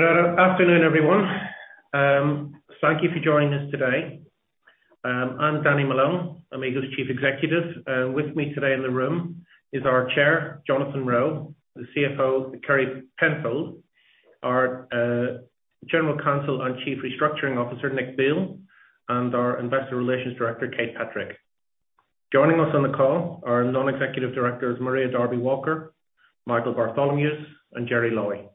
Good afternoon, everyone. Thank you for joining us today. I'm Danny Malone. I'm Amigo's Chief Executive. With me today in the room is our Chair, Jonathan Roe, the CFO, Kerry Penfold, our General Counsel and Chief Restructuring Officer, Nick Beal, and our Investor Relations Director, Kate Patrick. Joining us on the call are Non-Executive Directors Maria Darby-Walker, Michael Bartholomeusz, and Gerry Lowry.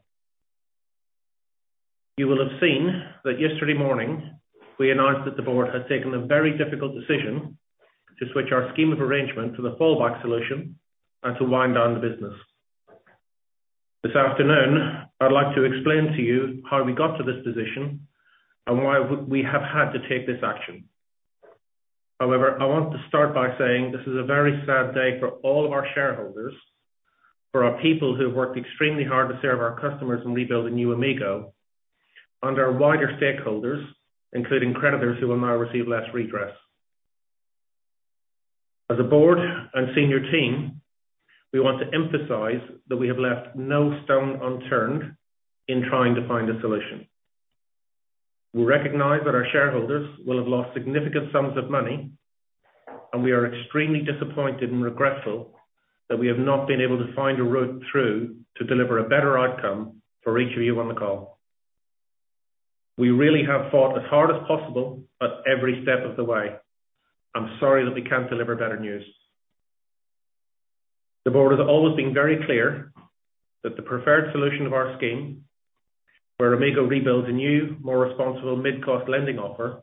You will have seen that yesterday morning we announced that the board has taken a very difficult decision to Scheme of Arrangement to the Fallback Solution and to wind down the business. This afternoon, I'd like to explain to you how we got to this position and why we have had to take this action. However, I want to start by saying this is a very sad day for all of our shareholders, for our people who have worked extremely hard to serve our customers in rebuilding new Amigo, and our wider stakeholders, including creditors who will now receive less redress. As a board and senior team, we want to emphasize that we have left no stone unturned in trying to find a solution. We recognize that our shareholders will have lost significant sums of money, and we are extremely disappointed and regretful that we have not been able to find a route through to deliver a better outcome for each of you on the call. We really have fought as hard as possible at every step of the way. I'm sorry that we can't deliver better news. The board has always been very clear that the Preferred Solution of our scheme, where Amigo rebuilds a new, more responsible mid-cost lending offer,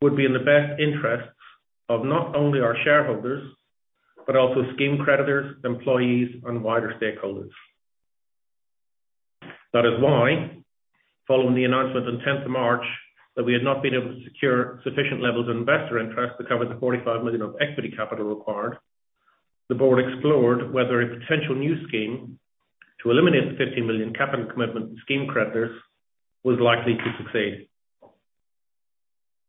would be in the best interest of not only our shareholders, but also scheme creditors, employees, and wider stakeholders. That is why following the announcement on tenth of March that we had not been able to secure sufficient levels of investor interest to cover the 45 million of equity capital required, the board explored whether a potential new scheme to eliminate the 50 million capital commitment scheme creditors was likely to succeed.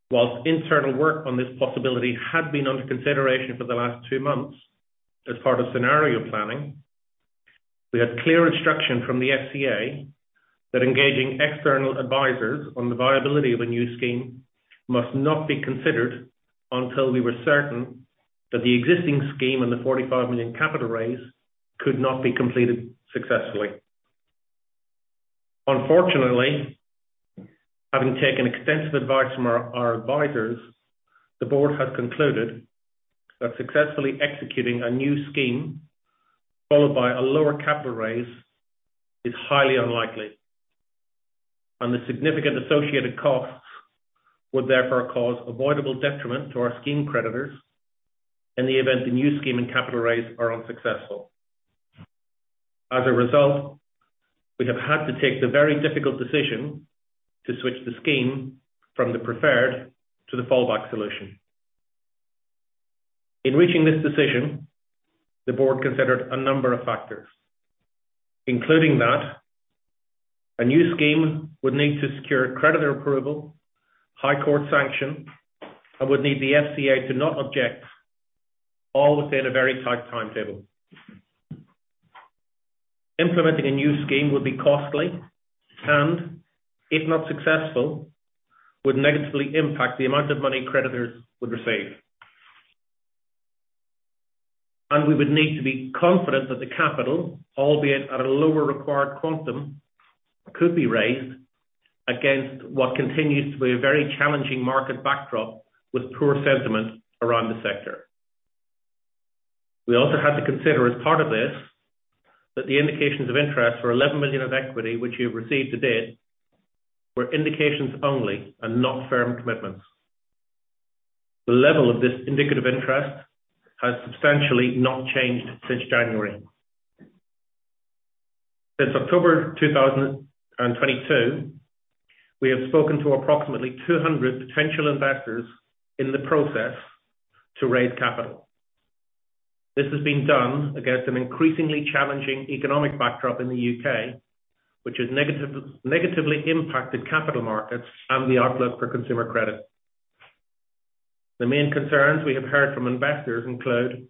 Whilst internal work on this possibility had been under consideration for the last two months as part of scenario planning, we had clear instruction from the FCA that engaging external advisors on the viability of a new scheme must not be considered until we were certain that the existing scheme and the 45 million capital raise could not be completed successfully. Unfortunately, having taken extensive advice from our advisors, the board has concluded that successfully executing a new scheme followed by a lower capital raise is highly unlikely, and the significant associated costs would therefore cause avoidable detriment to our scheme creditors in the event the new scheme and capital raise are unsuccessful. As a result, we have had to take the very difficult decision to switch the scheme from the Preferred Solution to the Fallback Solution. In reaching this decision, the board considered a number of factors, including that a new scheme would need to secure creditor approval, High Court sanction, and would need the FCA to not object all within a very tight timetable. Implementing a new scheme would be costly and if not successful, would negatively impact the amount of money creditors would receive. We would need to be confident that the capital, albeit at a lower required quantum, could be raised against what continues to be a very challenging market backdrop with poor sentiment around the sector. We also had to consider as part of this, that the indications of interest for 11 million of equity which you've received to date, were indications only and not firm commitments. The level of this indicative interest has substantially not changed since January. Since October 2022, we have spoken to approximately 200 potential investors in the process to raise capital. This has been done against an increasingly challenging economic backdrop in the U.K., which has negatively impacted capital markets and the outlook for consumer credit. The main concerns we have heard from investors include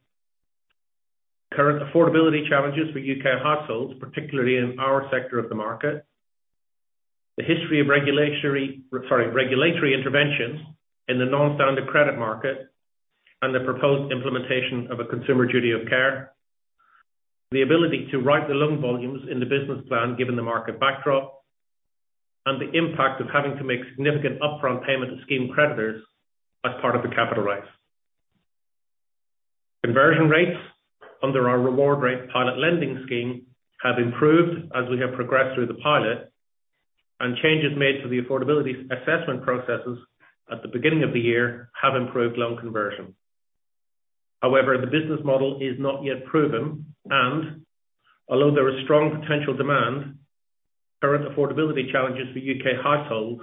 current affordability challenges for U.K. households, particularly in our sector of the market, the history of regulatory interventions in the non-standard credit market, and the proposed implementation of a Consumer Duty, the ability to write the loan volumes in the business plan given the market backdrop, and the impact of having to make significant upfront payment of scheme creditors as part of the capital raise. Conversion rates under our RewardRate pilot lending scheme have improved as we have progressed through the pilot, and changes made to the affordability assessment processes at the beginning of the year have improved loan conversion. However, the business model is not yet proven and although there is strong potential demand, current affordability challenges for U.K. households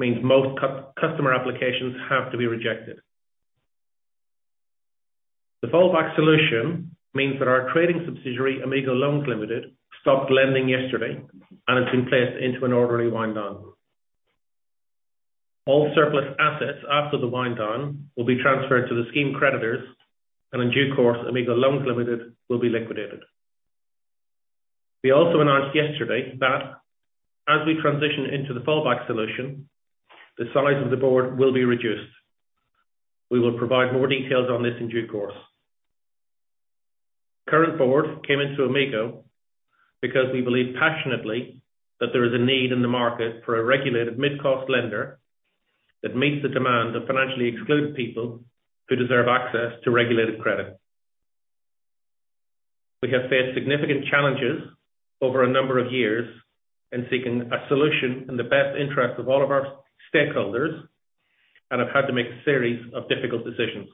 means most customer applications have to be rejected. The Fallback Solution means that our trading subsidiary, Amigo Loans Limited, stopped lending yesterday and has been placed into an orderly wind-down. All surplus assets after the wind-down will be transferred to the scheme creditors and in due course Amigo Loans Limited will be liquidated. We also announced yesterday that as we transition into the Fallback Solution, the size of the board will be reduced. We will provide more details on this in due course. Current board came into Amigo because we believe passionately that there is a need in the market for a regulated mid-cost lender that meets the demand of financially excluded people who deserve access to regulated credit. We have faced significant challenges over a number of years in seeking a solution in the best interest of all of our stakeholders, and have had to make a series of difficult decisions.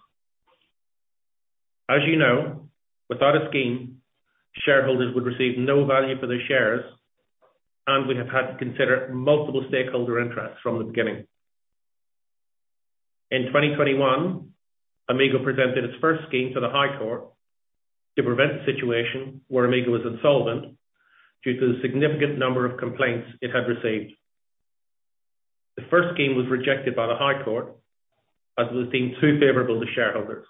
As you know, without a scheme, shareholders would receive no value for their shares, and we have had to consider multiple stakeholder interests from the beginning. In 2021, Amigo presented its first scheme to the High Court to prevent a situation where Amigo was insolvent due to the significant number of complaints it had received. The first scheme was rejected by the High Court as it was deemed too favorable to shareholders.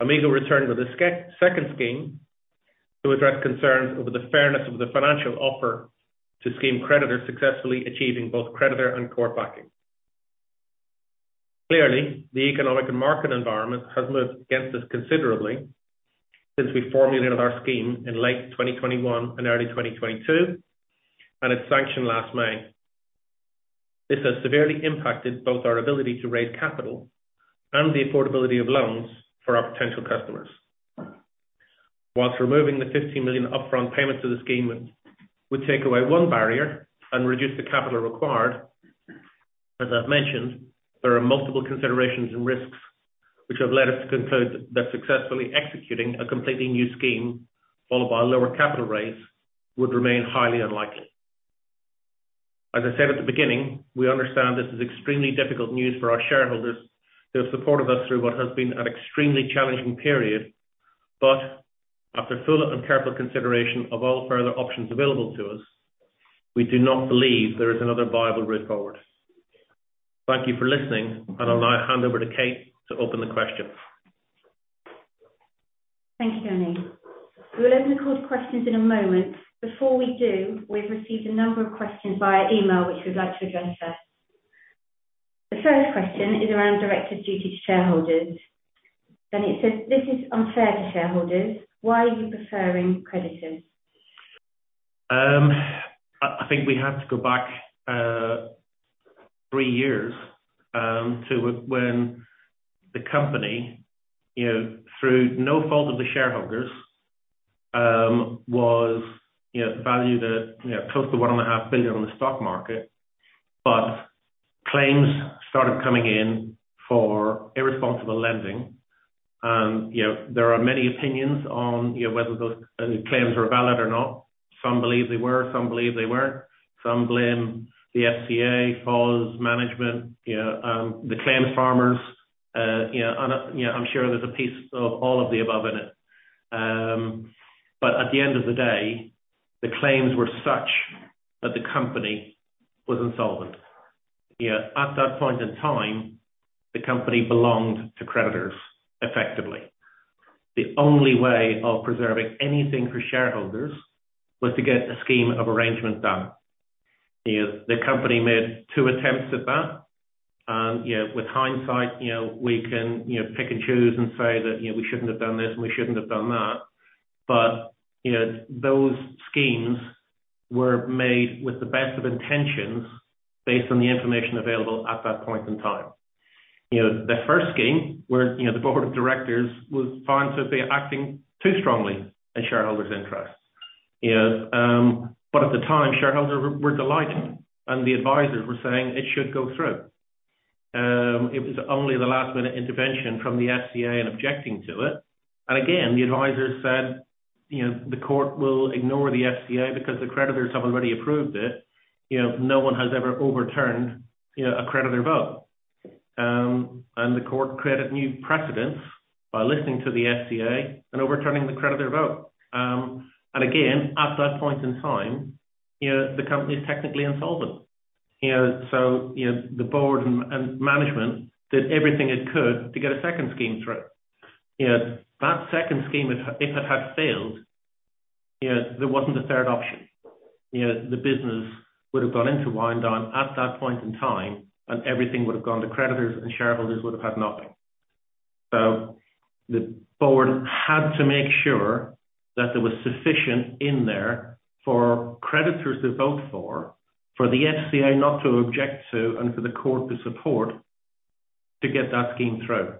Amigo returned with a second scheme to address concerns over the fairness of the financial offer to scheme creditors successfully achieving both creditor and court backing. Clearly, the economic and market environment has moved against us considerably since we formulated our scheme in late 2021 and early 2022 and its sanction last May. This has severely impacted both our ability to raise capital and the affordability of loans for our potential customers. Whilst removing the 15 million upfront payment to the scheme would take away one barrier and reduce the capital required, as I've mentioned, there are multiple considerations and risks which have led us to conclude that successfully executing a completely new scheme followed by a lower capital raise would remain highly unlikely. As I said at the beginning, we understand this is extremely difficult news for our shareholders that have supported us through what has been an extremely challenging period. After full and careful consideration of all further options available to us, we do not believe there is another viable way forward. Thank you for listening, and I'll now hand over to Kate to open the questions. Thank you, Tony. We will open the call to questions in a moment. Before we do, we've received a number of questions via email, which we'd like to address first. The first question is around directors' duty to shareholders, and it says, "This is unfair to shareholders. Why are you preferring creditors? I think we have to go back three years, to when the company, you know, through no fault of the shareholders, was, you know, valued at, you know, close to 1.5 billion on the stock market. Claims started coming in for irresponsible lending. You know, there are many opinions on, you know, whether those claims were valid or not. Some believe they were, some believe they weren't. Some blame the FCA, claims management, you know, the claims farmers. You know, and, you know, I'm sure there's a piece of all of the above in it. At the end of the day, the claims were such that the company was insolvent. You know, at that point in time, the company belonged to creditors effectively. The only way of preserving anything for shareholders was to Scheme of Arrangement done. you know, the company made two attempts at that. You know, with hindsight, you know, we can, you know, pick and choose and say that, you know, we shouldn't have done this, and we shouldn't have done that. You know, those schemes were made with the best of intentions based on the information available at that point in time. You know, the first scheme where, you know, the board of directors was found to be acting too strongly in shareholders' interests. You know, but at the time, shareholders were delighted, and the advisors were saying it should go through. It was only the last-minute intervention from the FCA in objecting to it. Again, the advisors said, you know, the court will ignore the FCA because the creditors have already approved it. You know, no one has ever overturned, you know, a creditor vote. The court created new precedents by listening to the FCA and overturning the creditor vote. Again, at that point in time, you know, the company is technically insolvent. You know, you know, the board and management did everything it could to get a second scheme through. You know, that second scheme, if it had failed, you know, there wasn't a third option. You know, the business would have gone into wind down at that point in time, and everything would have gone to creditors, and shareholders would have had nothing. The board had to make sure that there was sufficient in there for creditors to vote for the FCA not to object to, and for the court to support to get that scheme through.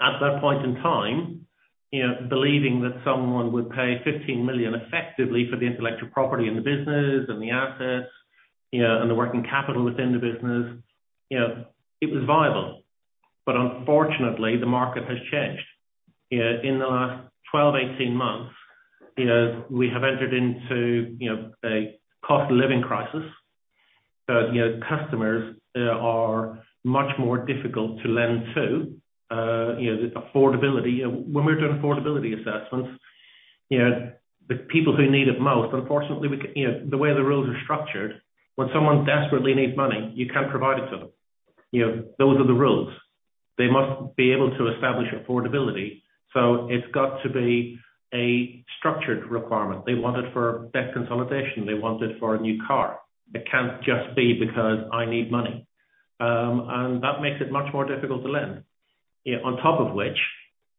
At that point in time, you know, believing that someone would pay 15 million effectively for the intellectual property in the business and the assets, you know, and the working capital within the business, you know, it was viable. Unfortunately, the market has changed. You know, in the last 12, 18 months, you know, we have entered into, you know, a cost of living crisis. You know, customers are much more difficult to lend to. You know, when we're doing affordability assessments. You know, the people who need it most, unfortunately, you know, the way the rules are structured, when someone desperately needs money, you can't provide it to them. You know, those are the rules. They must be able to establish affordability, so it's got to be a structured requirement. They want it for debt consolidation, they want it for a new car. It can't just be because I need money. That makes it much more difficult to lend. You know, on top of which,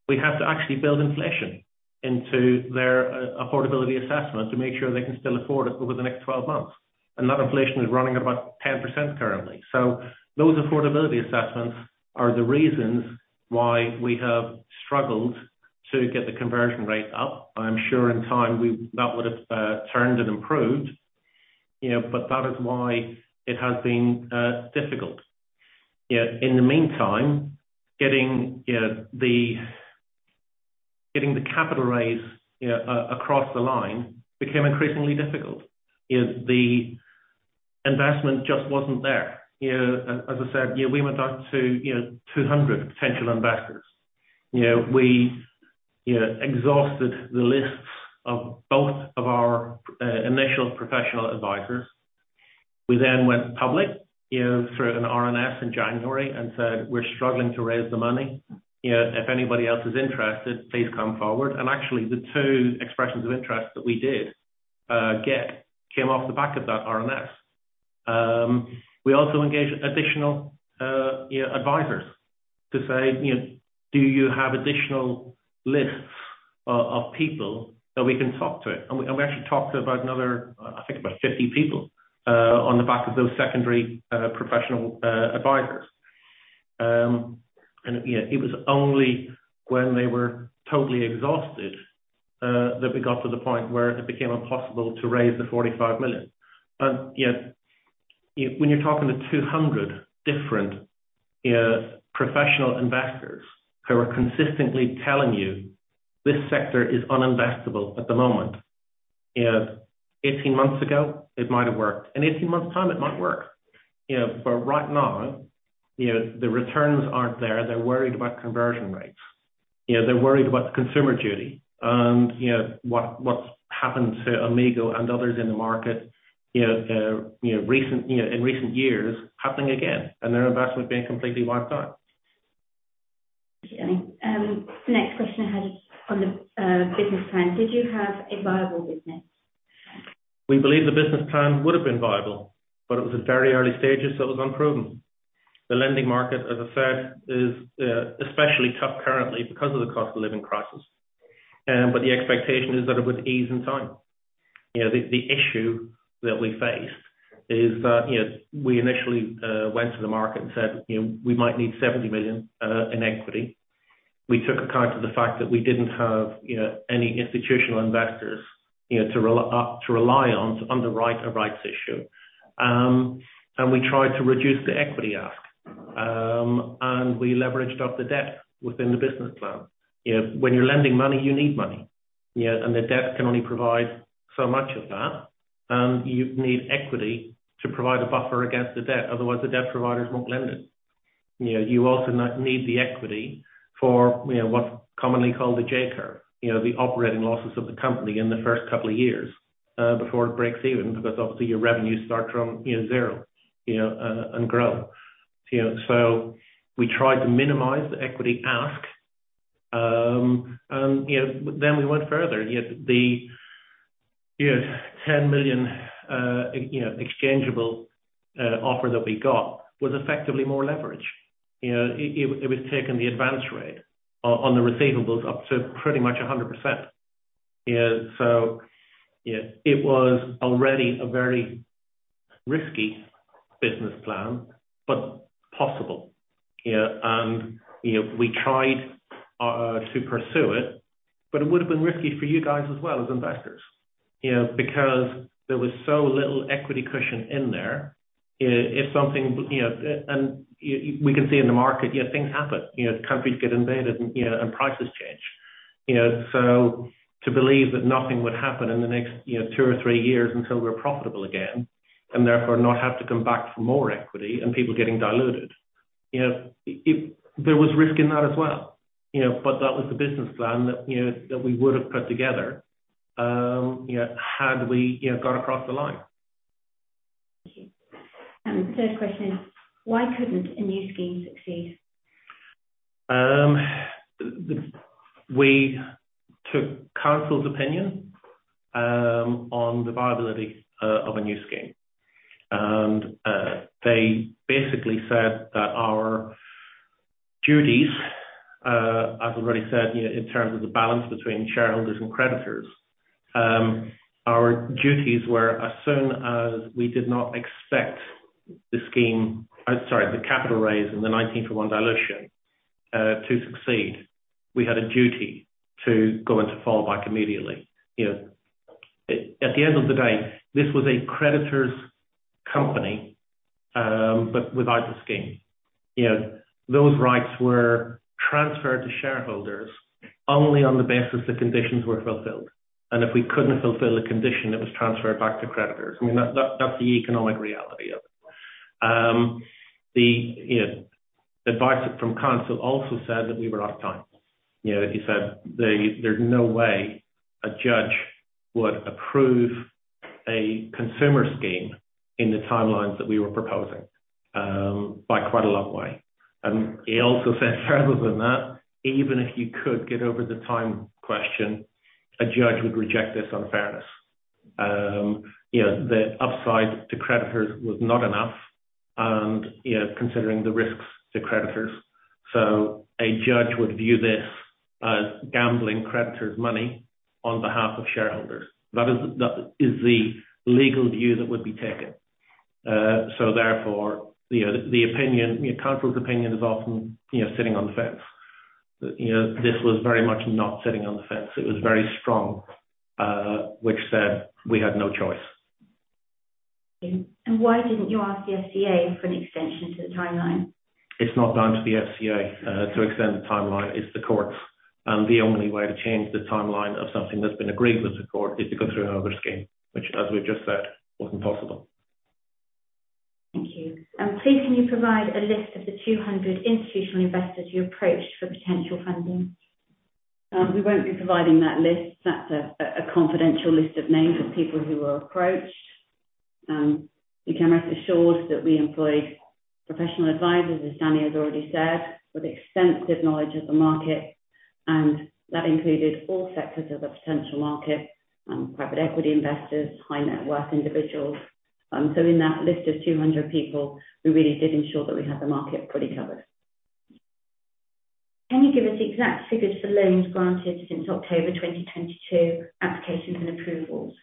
we have to actually build inflation into their affordability assessment to make sure they can still afford it over the next 12 months. That inflation is running about 10% currently. Those affordability assessments are the reasons why we have struggled to get the conversion rate up. I'm sure in time we that would've turned and improved, you know, but that is why it has been difficult. You know, in the meantime, getting, you know, the capital raise, you know, across the line became increasingly difficult. You know, the investment just wasn't there. You know, as I said, you know, we went out to, you know, 200 potential investors. You know, we, you know, exhausted the lists of both of our initial professional advisors. We then went public, you know, through an RNS in January and said, "We're struggling to raise the money. You know, if anybody else is interested, please come forward." Actually the two expressions of interest that we did get came off the back of that RNS. We also engaged additional, you know, advisors to say, "You know, do you have additional lists of people that we can talk to?" We, and we actually talked to about another, I think about 50 people, on the back of those secondary, professional, advisors. You know, it was only when they were totally exhausted, that we got to the point where it became impossible to raise the 45 million. You know, when you're talking to 200 different, you know, professional investors who are consistently telling you this sector is uninvestable at the moment, you know, 18 months ago it might have worked. In 18 months time it might work. You know, but right now, you know, the returns aren't there. They're worried about conversion rates. You know, they're worried about Consumer Duty and, you know, what's happened to Amigo and others in the market, you know, recent, you know, in recent years happening again and their investment being completely wiped out. Thank you. Next question I had on the business plan. Did you have a viable business? We believe the business plan would have been viable, but it was at very early stages, so it was unproven. The lending market, as I said, is especially tough currently because of the cost of living crisis. The expectation is that it would ease in time. You know, the issue that we faced is that, you know, we initially went to the market and said, "You know, we might need 70 million in equity." We took account of the fact that we didn't have, you know, any institutional investors, you know, to rely on to underwrite a rights issue. We tried to reduce the equity ask, and we leveraged up the debt within the business plan. You know, when you're lending money, you need money, you know, and the debt can only provide so much of that, and you need equity to provide a buffer against the debt, otherwise the debt providers won't lend it. You know, you also need the equity for, you know, what's commonly called the J-curve, you know, the operating losses of the company in the first couple of years, before it breaks even, because obviously your revenues start from, you know, zero, you know, and grow. You know, we tried to minimize the equity ask, you know, we went further. You know, the, you know, 10 million exchangeable offer that we got was effectively more leverage. You know, it was taking the advance rate on the receivables up to pretty much 100%. You know, it was already a very risky business plan, but possible. You know, we tried to pursue it, but it would have been risky for you guys as well as investors, you know, because there was so little equity cushion in there. If something, you know, we can see in the market, you know, things happen. You know, countries get invaded and, you know, and prices change. You know, to believe that nothing would happen in the next, you know, two or three years until we're profitable again, and therefore not have to come back for more equity and people getting diluted, you know, there was risk in that as well. You know, that was the business plan that, you know, that we would have put together, you know, had we, you know, got across the line. Thank you. The third question is why couldn't a new scheme succeed? We took counsel's opinion on the viability of a new scheme. They basically said that our duties, as I've already said, you know, in terms of the balance between shareholders and creditors, our duties were as soon as we did not expect the scheme. Sorry, the capital raise and the 19 for one dilution to succeed, we had a duty to go into Fallback immediately. You know, at the end of the day, this was a creditors company, but without the scheme. You know, those rights were transferred to shareholders only on the basis the conditions were fulfilled. If we couldn't fulfill a condition, it was transferred back to creditors. I mean, that's the economic reality of it. The, you know, advice from counsel also said that we were out of time. You know, he said there's no way a judge would approve a consumer scheme in the timelines that we were proposing by quite a long way. He also said further than that, even if you could get over the time question, a judge would reject this unfairness. You know, the upside to creditors was not enough and, you know, considering the risks to creditors. A judge would view this as gambling creditors' money on behalf of shareholders. That is the legal view that would be taken. Therefore, you know, the opinion, you know, counsel's opinion is often, you know, sitting on the fence. You know, this was very much not sitting on the fence. It was very strong, which said we had no choice. Why didn't you ask the FCA for an extension to the timeline? It's not down to the FCA, to extend the timeline, it's the courts. The only way to change the timeline of something that's been agreed with the court is to go through another scheme, which as we've just said, wasn't possible. Thank you. Please can you provide a list of the 200 institutional investors you approached for potential funding? We won't be providing that list. That's a confidential list of names of people who were approached. You can rest assured that we employed professional advisors, as Danny has already said, with extensive knowledge of the market, and that included all sectors of the potential market, private equity investors, high net worth individuals. In that list of 200 people, we really did ensure that we had the market pretty covered. Can you give us the exact figures for loans granted since October 2022, applications and approvals?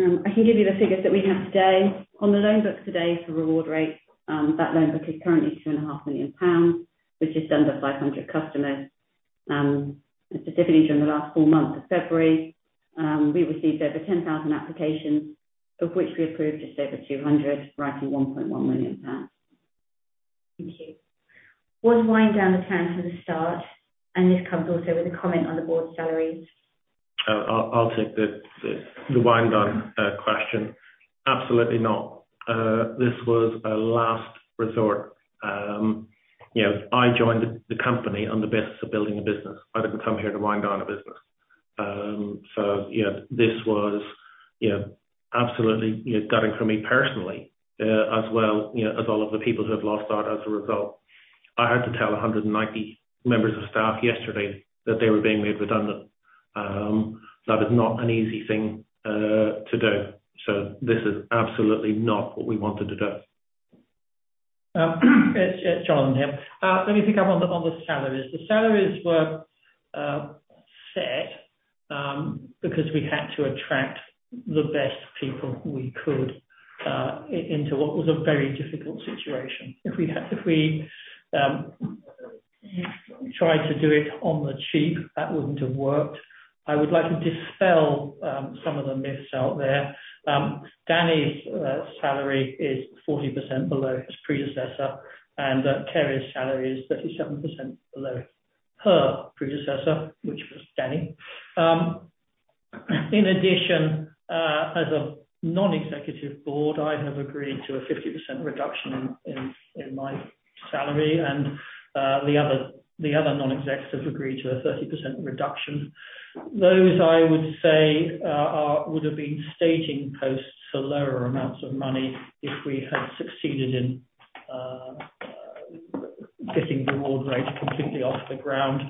I can give you the figures that we have today. On the loan book today for RewardRate, that loan book is currently 2.5 million pounds, which is under 500 customers. Specifically during the last full month of February, we received over 10,000 applications, of which we approved just over 200, writing 1.1 million pounds. Thank you. Was wind down the plan from the start? This comes also with a comment on the board salaries. I'll take the wind down question. Absolutely not. This was a last resort. You know, I joined the company on the basis of building a business. I didn't come here to wind down a business. You know, this was, you know, absolutely, you know, gutting for me personally, as well, you know, as all of the people who have lost out as a result. I had to tell 190 members of staff yesterday that they were being made redundant. That is not an easy thing to do. This is absolutely not what we wanted to do. It's John here. Let me pick up on the salaries. The salaries were set because we had to attract the best people we could into what was a very difficult situation. If we tried to do it on the cheap, that wouldn't have worked. I would like to dispel some of the myths out there. Danny's salary is 40% below his predecessor, Kerry's salary is 37% below her predecessor, which was Danny. In addition, as a non-executive board, I have agreed to a 50% reduction in my salary and the other non-execs have agreed to a 30% reduction. Those, I would say, would have been staging posts for lower amounts of money if we had succeeded in getting RewardRate completely off the ground.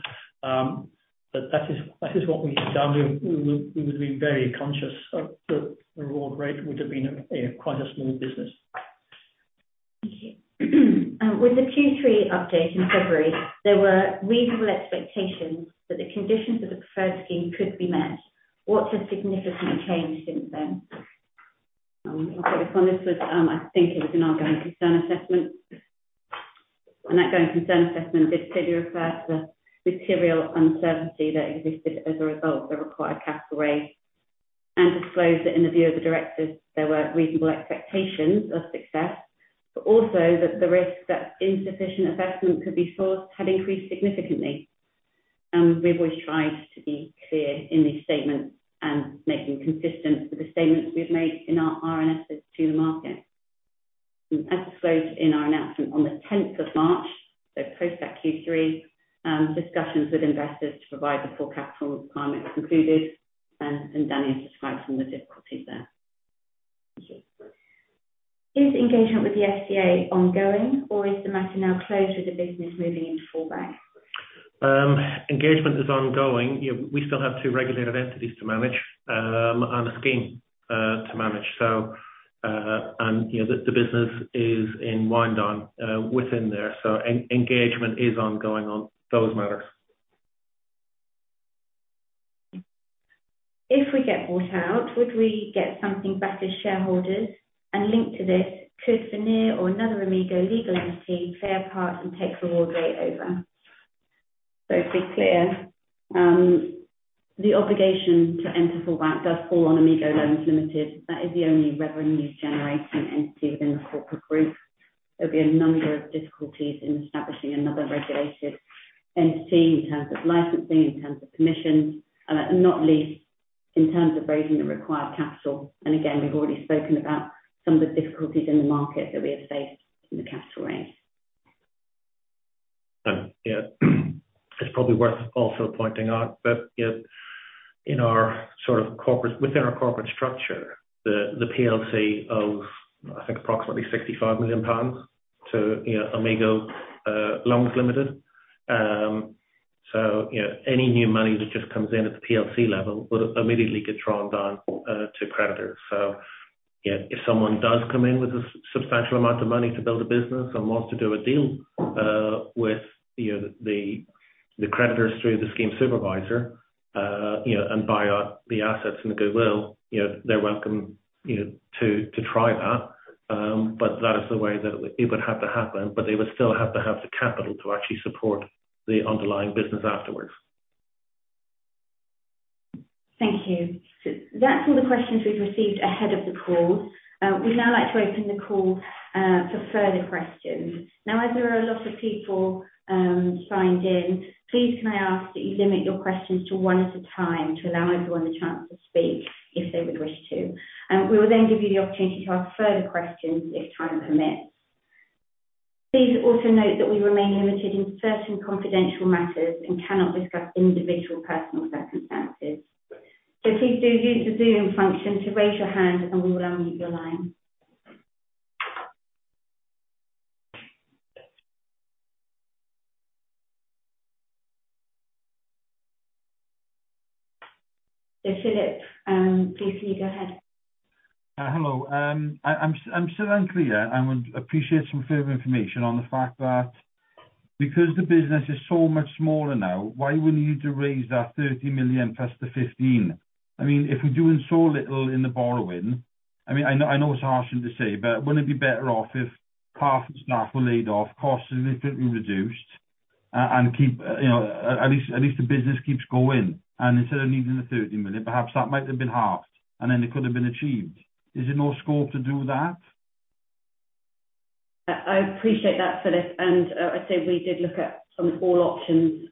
That is what we have done. We would have been very conscious of the RewardRate would have been a, quite a small business. Thank you. With the Q3 update in February, there were reasonable expectations that the conditions of the Preferred Scheme could be met. What has significantly changed since then? I'll take this one. This was, I think it was an going concern assessment. An going concern assessment did clearly refer to the material uncertainty that existed as a result of the required capital raise. Disclosed that in the view of the directors, there were reasonable expectations of success, but also that the risk that insufficient investment could be forced had increased significantly. We've always tried to be clear in these statements and making consistent with the statements we've made in our RNSs to the market. As disclosed in our announcement on the tenth of March, so post that Q3, discussions with investors to provide the full capital requirement concluded, and Danny has described some of the difficulties there. Is engagement with the FCA ongoing or is the matter now closed with the business moving into fallback? Engagement is ongoing. You know, we still have two regulated entities to manage, and a scheme to manage. And, you know, the business is in wind down within there. Engagement is ongoing on those matters. If we get bought out, would we get something back as shareholders? Linked to this, could Vanir or another Amigo legal entity play a part and take Reward Rate over? To be clear, the obligation to enter fallback does fall on Amigo Loans Ltd. That is the only revenue-generating entity within the corporate group. There'll be a number of difficulties in establishing another regulated entity in terms of licensing, in terms of permissions, not least in terms of raising the required capital, and again, we've already spoken about some of the difficulties in the market that we have faced in the capital raise. Yeah. It's probably worth also pointing out that, you know, in our sort of within our corporate structure, the PLC of, I think approximately 65 million pounds to, you know, Amigo Loans Limited. You know, any new money that just comes in at the PLC level would immediately get drawn down to creditors. If someone does come in with a substantial amount of money to build a business and wants to do a deal with, you know, the creditors through the Scheme Supervisor, you know, and buy out the assets and the goodwill, you know, they're welcome, you know, to try that. That is the way that it would have to happen, but they would still have to have the capital to actually support the underlying business afterwards. Thank you. That's all the questions we've received ahead of the call. We'd now like to open the call for further questions. Now, as there are a lot of people signed in, please can I ask that you limit your questions to one at a time to allow everyone the chance to speak if they would wish to. We will then give you the opportunity to ask further questions if time permits. Please also note that we remain limited in certain confidential matters and cannot discuss individual personal circumstances. Please do use the Zoom function to raise your hand and we will unmute your line. Philip, please can you go ahead. Hello. I'm still unclear and would appreciate some further information on the fact that because the business is so much smaller now, why we need to raise that 30 million plus the 15 million? I mean, if we're doing so little in the borrowing, I mean, I know it's harsh thing to say, but wouldn't it be better off if half the staff were laid off, costs significantly reduced and keep, you know, at least the business keeps going. Instead of needing the 30 million, perhaps that might have been halved, and then it could have been achieved. Is there no scope to do that? I appreciate that, Philip, and I'd say we did look at all options,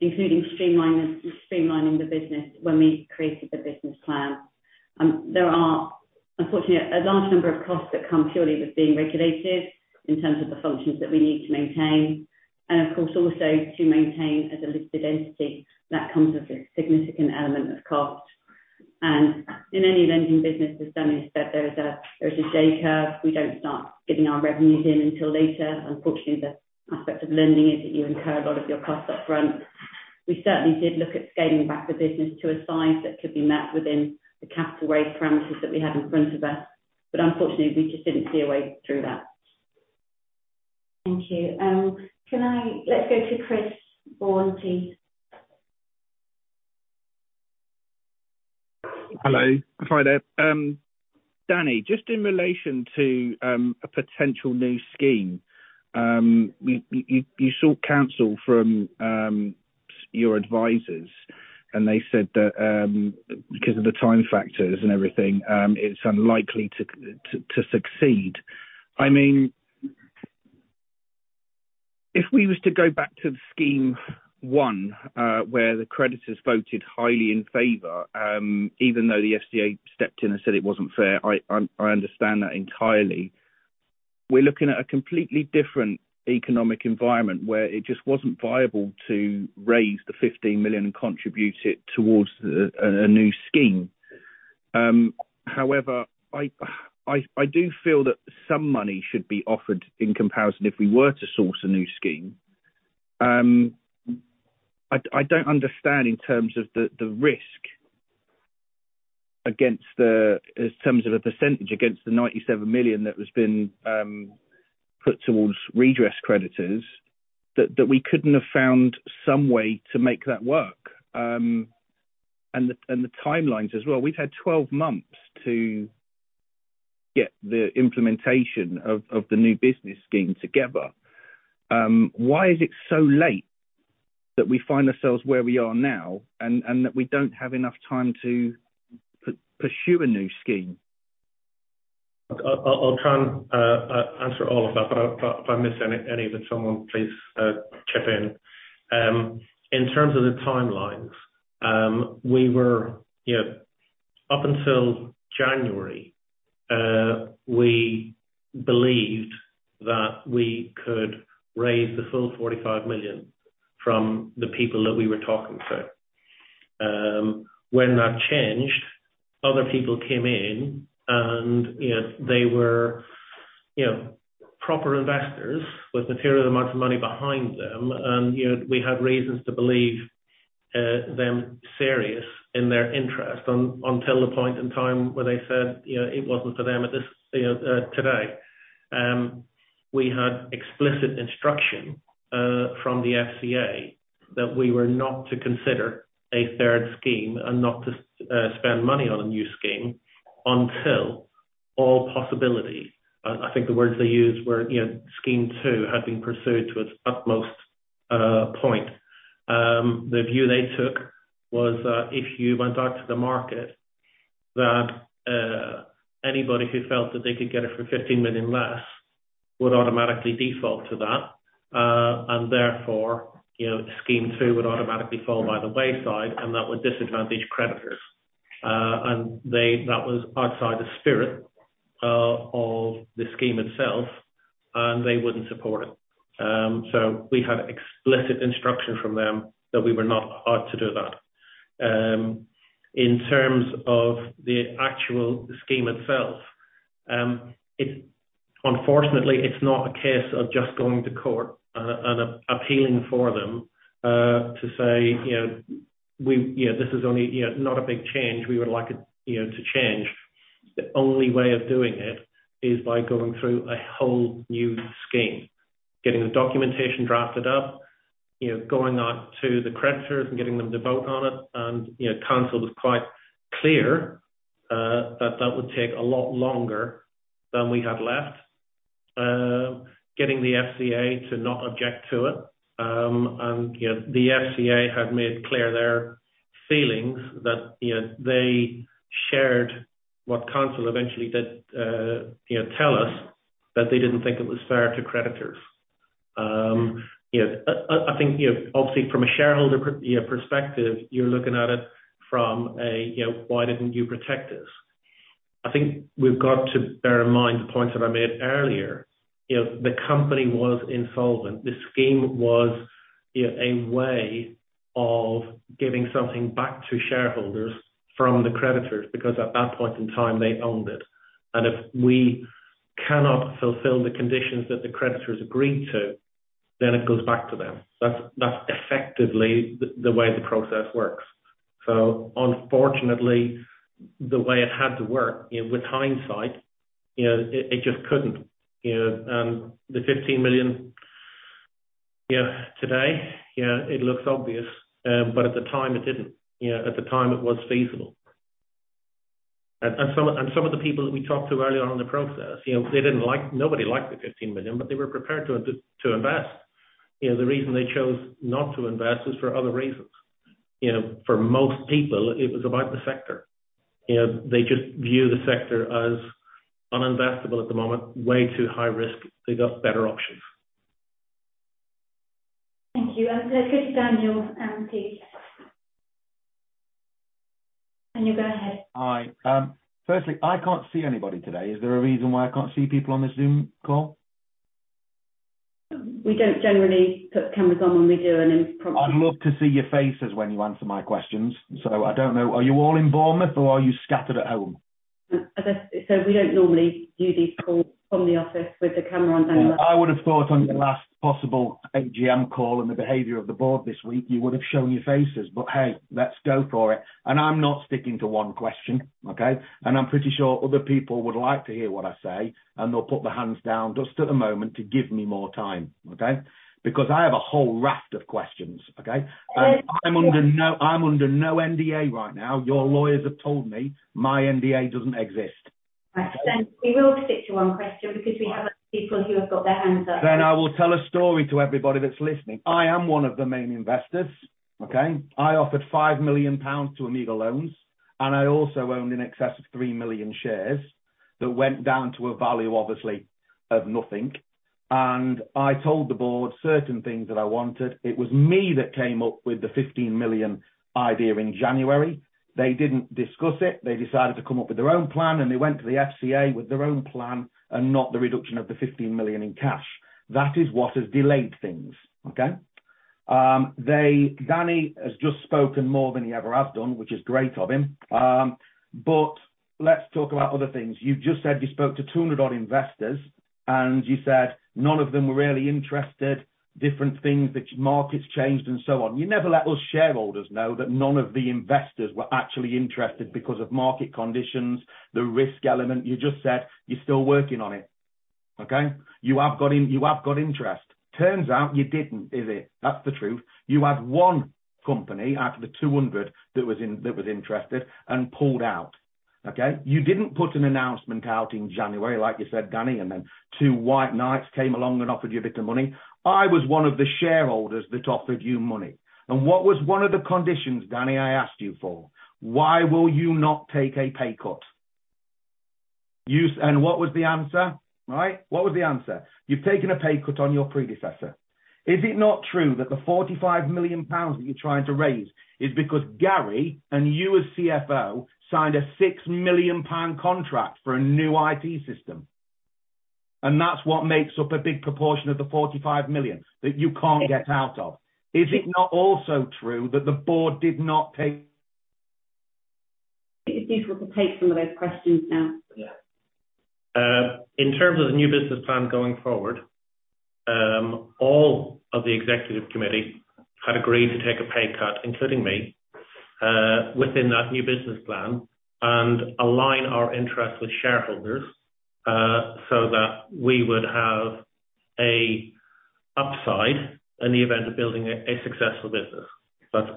including streamlining the business when we created the business plan. There are unfortunately a large number of costs that come purely with being regulated in terms of the functions that we need to maintain, and of course also to maintain as a listed entity. That comes with a significant element of cost. In any lending business, as Danny said, there's a J curve. We don't start getting our revenues in until later. Unfortunately, the aspect of lending is that you incur a lot of your costs up front. We certainly did look at scaling back the business to a size that could be met within the capital raise parameters that we had in front of us, but unfortunately we just didn't see a way thro ugh that. Thank you. Let's go to Chris 1T. Hello. Hi there. Danny, just in relation to a potential new Scheme. You sought counsel from your advisors and they said that because of the time factors and everything, it's unlikely to succeed. I mean, if we was to go back to Scheme One, where the creditors voted highly in favor, even though the FCA stepped in and said it wasn't fair, I understand that entirely. We're looking at a completely different economic environment where it just wasn't viable to raise the 15 million and contribute it towards a new Scheme. However, I do feel that some money should be offered in comparison if we were to source a new Scheme. I don't understand in terms of the risk against the, in terms of a percentage against the 97 million that has been put towards redress creditors that we couldn't have found some way to make that work. The timelines as well. We've had 12 months to get the implementation of the New Business Scheme together. Why is it so late that we find ourselves where we are now and that we don't have enough time to pursue a new scheme? I'll try and answer all of that, but if I miss any of it, someone please chip in. In terms of the timelines, we were, you know, up until January, we believed that we could raise the full 45 million from the people that we were talking to. When that changed, other people came in and, you know, they were, you know, proper investors with material amounts of money behind them. you know, we had reasons to believe them serious in their interest until the point in time where they said, you know, it wasn't for them at this, you know, today. We had explicit instruction from the FCA that we were not to consider a third scheme and not to spend money on a new scheme until all possibility. I think the words they used were, you know, Scheme two had been pursued to its utmost point. The view they took was that if you went out to the market, that anybody who felt that they could get it for 15 million less would automatically default to that. And therefore, you know, Scheme two would automatically fall by the wayside, and that would disadvantage creditors. And that was outside the spirit of the scheme itself, and they wouldn't support it. So we had explicit instruction from them that we were not ought to do that. In terms of the actual scheme itself, it. Unfortunately, it's not a case of just going to court and appealing for them to say, you know, we, you know, this is only, you know, not a big change. We would like it, you know, to change. The only way of doing it is by going through a whole new scheme. Getting the documentation drafted up, you know, going out to the creditors and getting them to vote on it and, you know, counsel was quite clear that that would take a lot longer than we had left. Getting the FCA to not object to it, and, you know, the FCA have made clear their feelings that, you know, they shared what counsel eventually did, you know, tell us that they didn't think it was fair to creditors. You know, I, I think, you know, obviously from a shareholder, you know, perspective, you're looking at it from a, you know, "Why didn't you protect us?" I think we've got to bear in mind the point that I made earlier. You know, the company was insolvent. The scheme was, you know, a way of giving something back to shareholders from the creditors, because at that point in time, they owned it. If we cannot fulfill the conditions that the creditors agreed to, then it goes back to them. That's effectively the way the process works. Unfortunately, the way it had to work, you know, with hindsight, you know, it just couldn't, you know? The 15 million, you know, today, you know, it looks obvious, but at the time it didn't, you know. At the time it was feasible. Some of the people that we talked to early on in the process, you know, they didn't like. Nobody liked the 15 million, but they were prepared to invest. You know, the reason they chose not to invest is for other reasons. You know, for most people, it was about the sector. You know, they just view the sector as uninvestable at the moment. Way too high risk. They got better options. Thank you. Chris Daniels, please. Daniel, go ahead. Hi. Firstly, I can't see anybody today. Is there a reason why I can't see people on this Zoom call? We don't generally put cameras on when we do an impromptu- I'd love to see your faces when you answer my questions. I don't know, are you all in Bournemouth or are you scattered at home? We don't normally do these calls from the office with the camera on anyway. I would have thought on your last possible AGM call and the behavior of the board this week, you would have shown your faces. Hey, let's go for it. I'm not sticking to one question, okay? I'm pretty sure other people would like to hear what I say, and they'll put their hands down just at the moment to give me more time, okay? I have a whole raft of questions, okay? Yes. I'm under no NDA right now. Your lawyers have told me my NDA doesn't exist. Right. We will stick to one question because we have people who have got their hands up. I will tell a story to everybody that's listening. I am one of the main investors, okay? I offered 5 million pounds to Amigo Loans, and I also owned in excess of 3 million shares. That went down to a value, obviously, of nothing. I told the Board certain things that I wanted. It was me that came up with the 15 million idea in January. They didn't discuss it. They decided to come up with their own plan, and they went to the FCA with their own plan and not the reduction of the 15 million in cash. That is what has delayed things, okay? Danny Malone has just spoken more than he ever has done, which is great of him. Let's talk about other things. You've just said you spoke to 200 odd investors. You said none of them were really interested, different things, the markets changed and so on. You never let us shareholders know that none of the investors were actually interested because of market conditions, the risk element. You just said you're still working on it, okay? You have got interest. Turns out you didn't, is it? That's the truth. You had one company out of the 200 that was interested and pulled out, okay? You didn't put an announcement out in January like you said, Danny. Then two white knights came along and offered you a bit of money. I was one of the shareholders that offered you money. What was one of the conditions, Danny, I asked you for? Why will you not take a pay cut? What was the answer, right? What was the answer? You've taken a pay cut on your predecessor. Is it not true that the 45 million pounds that you're trying to raise is because Gary and you as CFO signed a 6 million pound contract for a new IT system, and that's what makes up a big proportion of the 45 million that you can't get out of? It- Is it not also true that the board did not? It's useful to take some of those questions now. Yeah. In terms of the new business plan going forward, all of the executive committee had agreed to take a pay cut, including me, within that new business plan and align our interests with shareholders, so that we would have a upside in the event of building a successful business.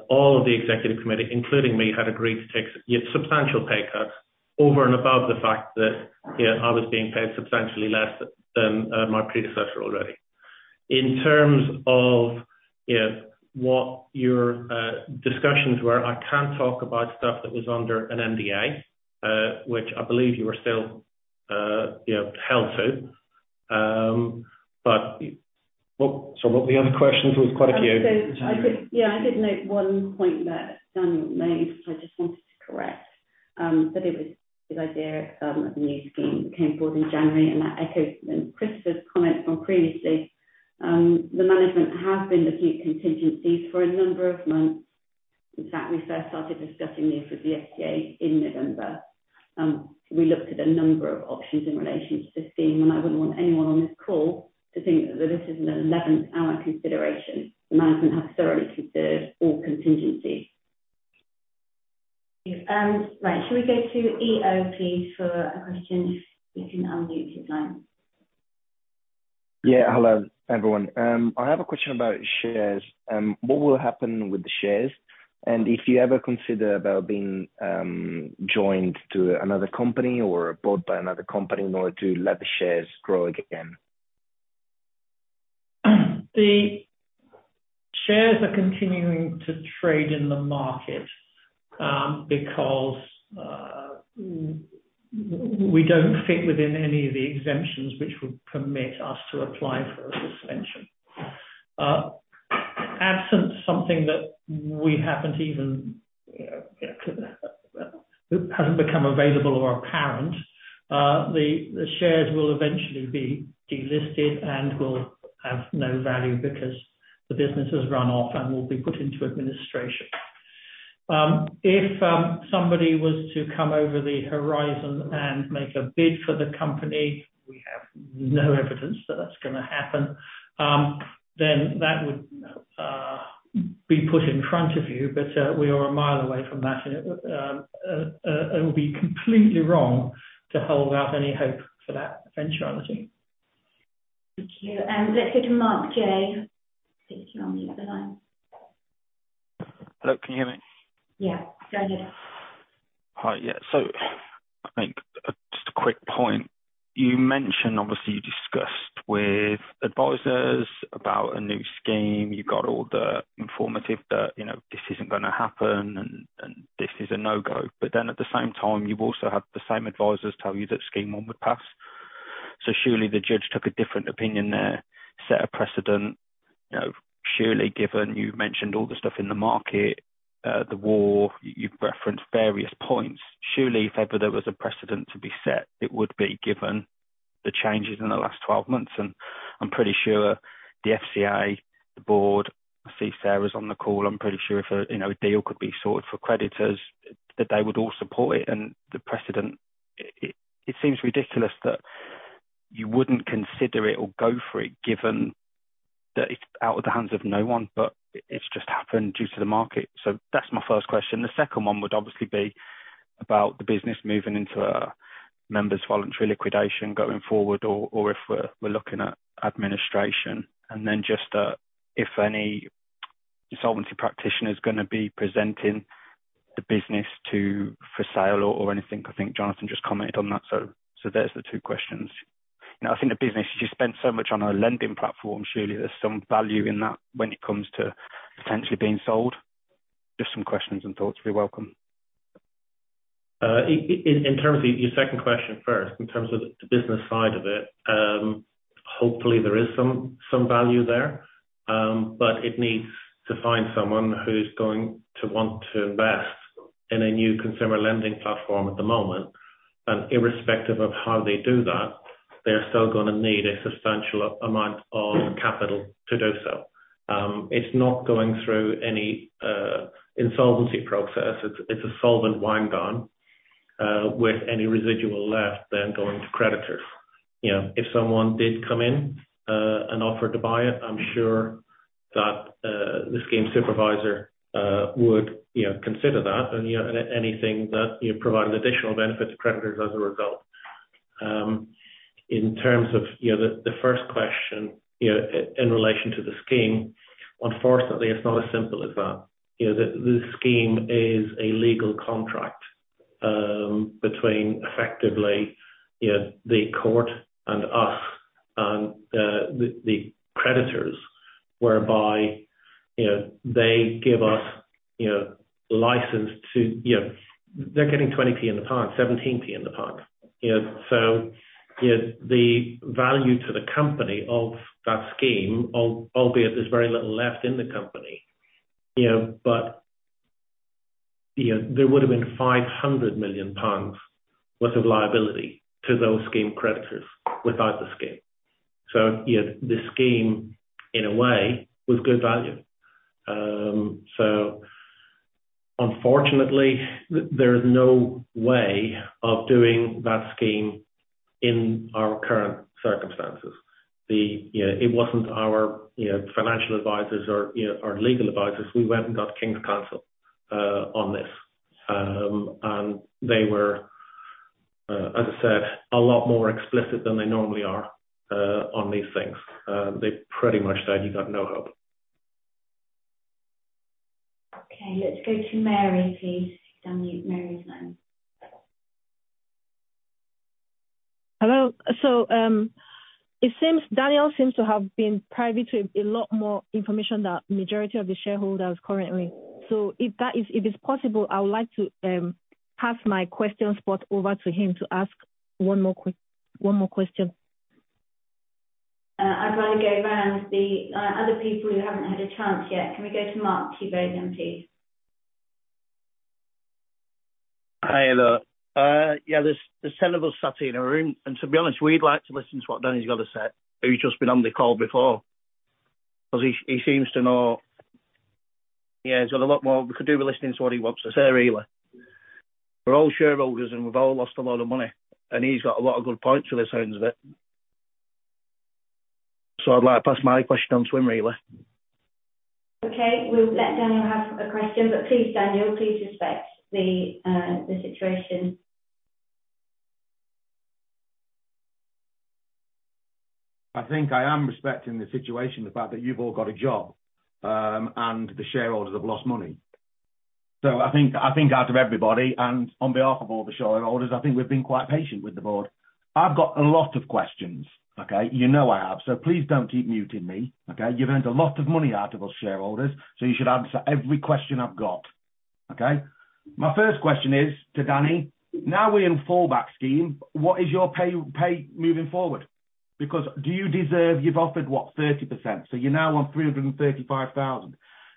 All of the executive committee, including me, had agreed to take substantial pay cuts over and above the fact that, you know, I was being paid substantially less than my predecessor already. In terms of, you know, what your discussions were, I can't talk about stuff that was under an NDA, which I believe you are still, you know, held to. Well, what were the other questions? There was quite a few. I could... Yeah, I did note one point that Daniel made, which I just wanted to correct. It was this idea of the new scheme that came forward in January, and that echoes Christopher's comment from previously. The management have been acute contingencies for a number of months. In fact, we first started discussing this with the FCA in November. We looked at a number of options in relation to the scheme, and I wouldn't want anyone on this call to think that this is an eleventh hour consideration. The management has thoroughly considered all contingencies. Right. Should we go to EO please for a question, if you can unmute your line? Yeah. Hello, everyone. I have a question about shares. What will happen with the shares, and if you ever consider about being joined to another company or bought by another company in order to let the shares grow again? The shares are continuing to trade in the market because we don't fit within any of the exemptions which would permit us to apply for a suspension. Absent something that we haven't even hasn't become available or apparent, the shares will eventually be delisted and will have no value because the business has run off and will be put into administration. If somebody was to come over the horizon and make a bid for the company, we have no evidence that that's gonna happen, then that would be put in front of you. We are a mile away from that and it would be completely wrong to hold out any hope for that eventuality. Thank you. Let's go to Mark J, if you can unmute the line. Hello, can you hear me? Yeah. Go ahead. Hi. Yeah. I think, just a quick point. You mentioned obviously you discussed with advisors about a new scheme. You got all the informative that, you know, this isn't gonna happen and this is a no-go. At the same time, you also had the same advisors tell you that Scheme One would pass. Surely the judge took a different opinion there, set a precedent. You know, surely given you mentioned all the stuff in the market, the war, you've referenced various points. Surely if ever there was a precedent to be set, it would be given the changes in the last 12 months. I'm pretty sure the FCA, the board, I see Sarah's on the call. I'm pretty sure if a, you know, a deal could be sorted for creditors, that they would all support it. The precedent, it seems ridiculous that you wouldn't consider it or go for it, given that it's out of the hands of no one, but it's just happened due to the market. That's my first question. The second one would obviously be about the business moving into a members' voluntary liquidation going forward or if we're looking at administration. Then just if any insolvency practitioner is gonna be presenting the business to, for sale or anything. I think Jonathan just commented on that. There's the two questions. You know, I think the business, you spent so much on a lending platform, surely there's some value in that when it comes to potentially being sold. Just some questions and thoughts. Feel welcome. In terms of your second question first, in terms of the business side of it, hopefully there is some value there, but it needs to find someone who's going to want to invest in a new consumer lending platform at the moment. Irrespective of how they do that, they're still gonna need a substantial amount of capital to do so. It's not going through any insolvency process. It's a solvent wind down, with any residual left then going to creditors. You know, if someone did come in and offer to buy it, I'm sure that the Scheme Supervisor would, you know, consider that and, you know, anything that, you know, provided additional benefit to creditors as a result. In terms of, you know, the first question, you know, in relation to the Scheme, unfortunately, it's not as simple as that. The Scheme is a legal contract between effectively, you know, the court and us and the creditors whereby, you know, they give us, you know, license to. They're getting 20 P in the pound, 17 P in the pound. You know, the value to the company of that Scheme, albeit there's very little left in the company, you know, but, you know, there would have been 500 million pounds worth of liability to those Scheme creditors without the Scheme. You know, the Scheme in a way was good value. Unfortunately, there is no way of doing that Scheme in our current circumstances. You know, it wasn't our, you know, financial advisors or, you know, our legal advisors. We went and got King's Counsel on this. They were, as I said, a lot more explicit than they normally are on these things. They pretty much said, "You've got no hope. Okay, let's go to Mary, please. Unmute Mary's line. Hello. Daniel seems to have been privy to a lot more information than majority of the shareholders currently. If it's possible, I would like to pass my question spot over to him to ask one more question. I'd rather go around the other people who haven't had a chance yet. Can we go to Mark Tibay's end, please? Hi there. Yeah, there's ten of us sat in a room, and to be honest, we'd like to listen to what Daniel's got to say, who's just been on the call before, because he seems to know... Yeah, he's got a lot more. We could do with listening to what he wants to say, really. We're all shareholders, and we've all lost a lot of money, and he's got a lot of good points from the sounds of it. I'd like to pass my question on to him, really. Okay. We'll let Daniel have a question. Please, Daniel, respect the situation. I think I am respecting the situation, the fact that you've all got a job, the shareholders have lost money. I think out of everybody, and on behalf of all the shareholders, I think we've been quite patient with the board. I've got a lot of questions, okay? You know I have, please don't keep muting me, okay? You've earned a lot of money out of us shareholders, you should answer every question I've got, okay? My first question is to Danny. Now we're in Fallback Solution, what is your pay moving forward? You've offered what, 30%, you're now on 335,000.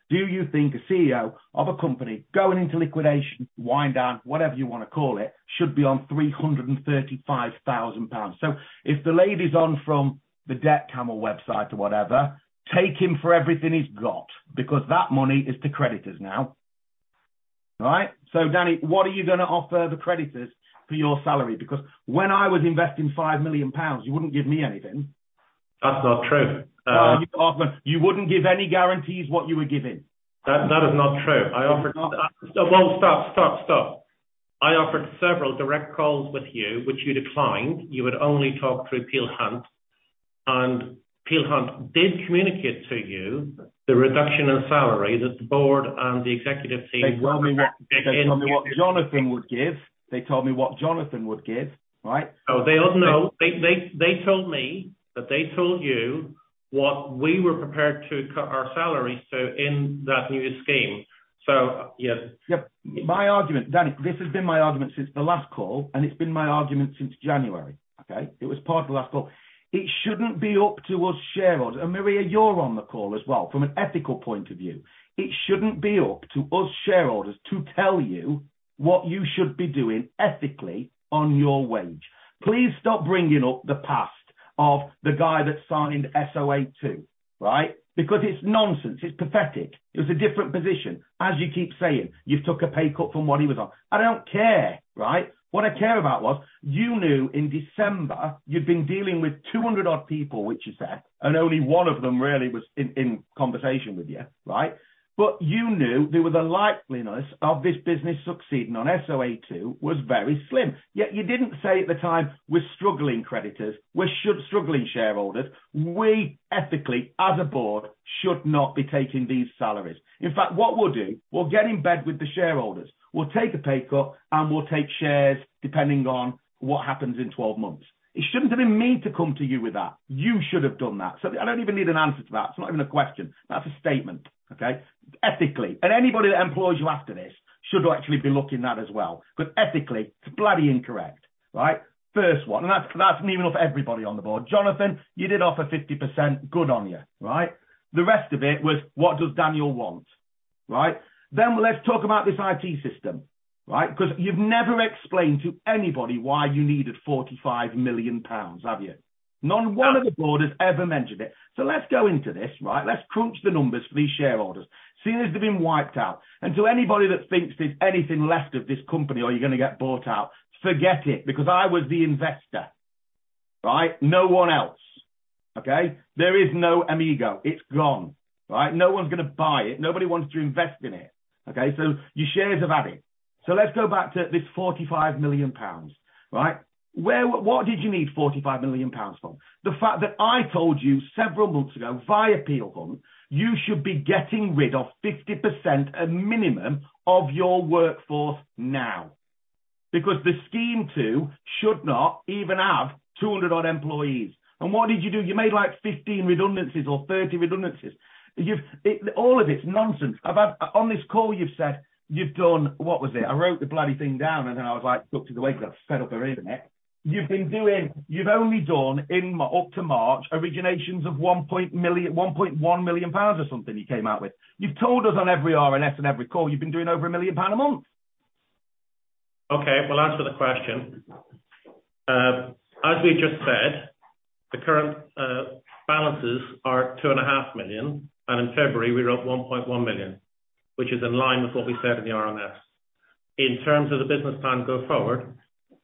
Do you think a CEO of a company going into liquidation, wind down, whatever you wanna call it, should be on 335,000 pounds? If the lady's on from the Debt Camel website or whatever, take him for everything he's got, because that money is to creditors now, right? Danny, what are you gonna offer the creditors for your salary? When I was investing 5 million pounds, you wouldn't give me anything. That's not true. No, you wouldn't give any guarantees what you were giving. That is not true. No, that- Stop. Whoa, stop, stop. I offered several direct calls with you, which you declined. You would only talk through Peel Hunt. Peel Hunt did communicate to you the reduction in salary that the board and the executive team- They told me what Jonathan would give. They told me what Jonathan would give, right? Oh, they all know. They told me that they told you what we were prepared to cut our salaries to in that new scheme. Yeah. Yeah. My argument, Danny, this has been my argument since the last call, and it's been my argument since January, okay? It was part of the last call. It shouldn't be up to us shareholders. Maria, you're on the call as well from an ethical point of view. It shouldn't be up to us shareholders to tell you what you should be doing ethically on your wage. Please stop bringing up the past of the guy that signed SOA Two, right? It's nonsense, it's pathetic. It was a different position. As you keep saying, you've took a pay cut from what he was on. I don't care, right? What I care about was, you knew in December you'd been dealing with 200 odd people, which you said, and only one of them really was in conversation with you, right? You knew there was a likelihood of this business succeeding on SOA Two was very slim. You didn't say at the time, "We're struggling creditors, we're struggling shareholders. We ethically, as a board, should not be taking these salaries. What we'll do, we'll get in bed with the shareholders. We'll take a pay cut, and we'll take shares depending on what happens in 12 months." It shouldn't have been me to come to you with that. You should have done that. I don't even need an answer to that. It's not even a question. That's a statement, okay? Ethically. Anybody that employs you after this should actually be looking at that as well because ethically, it's bloody incorrect, right? First one, and that's near enough everybody on the board. Jonathan, you did offer 50%, good on you, right? The rest of it was, "What does Daniel want?" Right? Let's talk about this IT system, right? 'Cause you've never explained to anybody why you needed 45 million pounds, have you? Not one of the board has ever mentioned it. Let's go into this, right? Let's crunch the numbers for these shareholders. Seeing as they've been wiped out, and to anybody that thinks there's anything left of this company or you're gonna get bought out, forget it, because I was the investor, right? No one else, okay? There is no Amigo. It's gone, right? No one's gonna buy it. Nobody wants to invest in it, okay? Your shares have had it. Let's go back to this 45 million pounds, right? What did you need 45 million pounds for? The fact that I told you several months ago via Peel Hunt, you should be getting rid of 50% a minimum of your workforce now. The Scheme Two should not even have 200 odd employees. What did you do? You made like 15 redundancies or 30 redundancies. All of it's nonsense. On this call you've said you've done, what was it? I wrote the bloody thing down, I was like, "Look, do the wake up. Fed up already, innit?" You've only done up to March, originations of 1.1 million pounds or something you came out with. You've told us on every RNS and every call, you've been doing over 1 million pound a month. Okay, we'll answer the question. As we just said, the current balances are two and a half million, and in February, we wrote 1.1 million, which is in line with what we said in the RNS. In terms of the business plan going forward,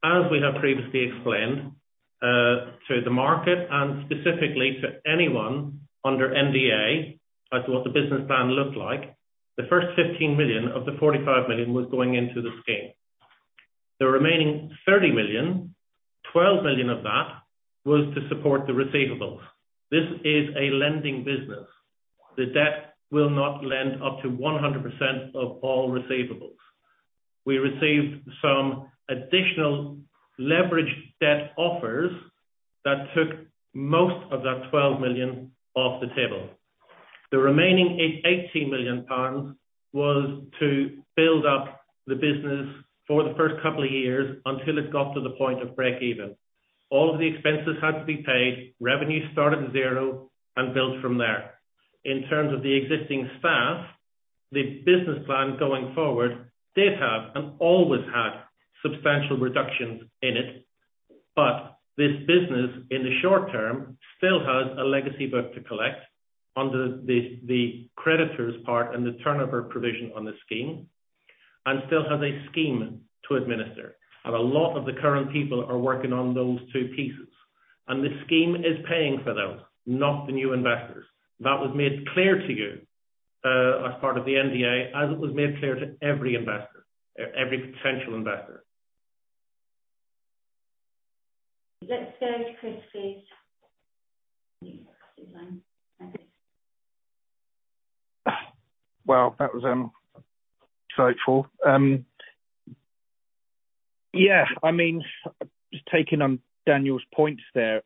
as we have previously explained to the market and specifically to anyone under NDA as what the business plan looked like, the first 15 million of the 45 million was going into the scheme. The remaining 30 million, 12 million of that was to support the receivables. This is a lending business. The debt will not lend up to 100% of all receivables. We received some additional leverage debt offers that took most of that 12 million off the table. The remaining 18 million pounds was to build up the business for the first couple of years until it got to the point of break-even. All of the expenses had to be paid. Revenue started zero and built from there. In terms of the existing staff, the business plan going forward did have and always had substantial reductions in it. This business, in the short-term, still has a legacy book to collect under the creditor's part and the turnover provision on the scheme, and still has a scheme to administer. A lot of the current people are working on those two pieces. The scheme is paying for those, not the new investors. That was made clear to you as part of the NDA, as it was made clear to every investor, every potential investor. Let's go to Chris first. Well, that was insightful. Yeah, I mean, just taking on Daniel's points there.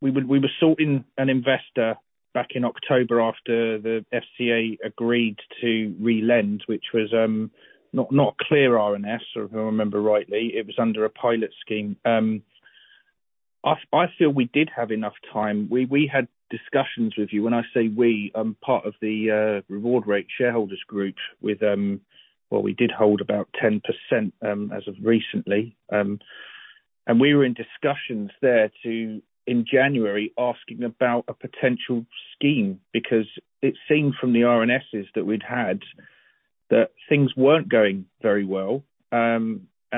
We were sorting an investor back in October after the FCA agreed to relend, which was not clear RNS, or if I remember rightly, it was under a pilot scheme. I feel we did have enough time. We had discussions with you. When I say we, part of the RewardRate Shareholders Group with, well, we did hold about 10%, as of recently. We were in discussions there to, in January, asking about a potential scheme because it seemed from the RNSs that we'd had that things weren't going very well.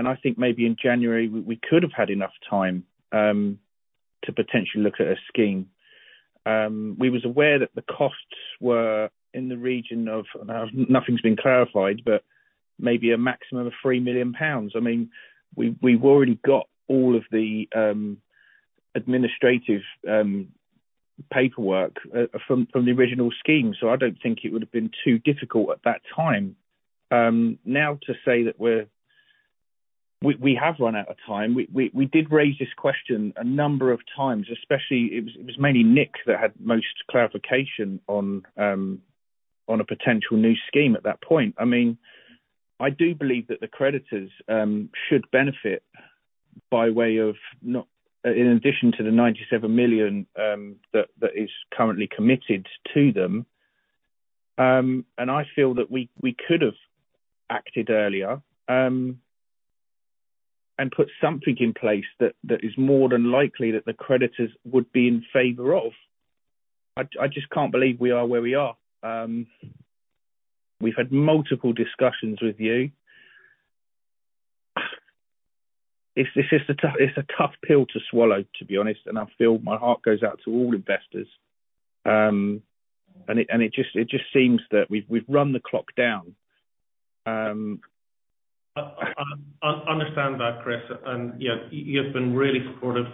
I think maybe in January we could have had enough time to potentially look at a scheme. We was aware that the costs were in the region of, Now nothing's been clarified, but maybe a maximum of 3 million pounds. I mean, we've already got all of the administrative paperwork from the original scheme, I don't think it would have been too difficult at that time. Now to say that we have run out of time, we did raise this question a number of times, especially it was mainly Nick that had most clarification on a potential new scheme at that point. I mean, I do believe that the creditors should benefit by way of in addition to the 97 million that is currently committed to them. I feel that we could have acted earlier, and put something in place that is more than likely that the creditors would be in favor of. I just can't believe we are where we are. We've had multiple discussions with you. This is a tough pill to swallow, to be honest, and I feel my heart goes out to all investors. It just seems that we've run the clock down. Understand that, Chris, and yeah, you've been really supportive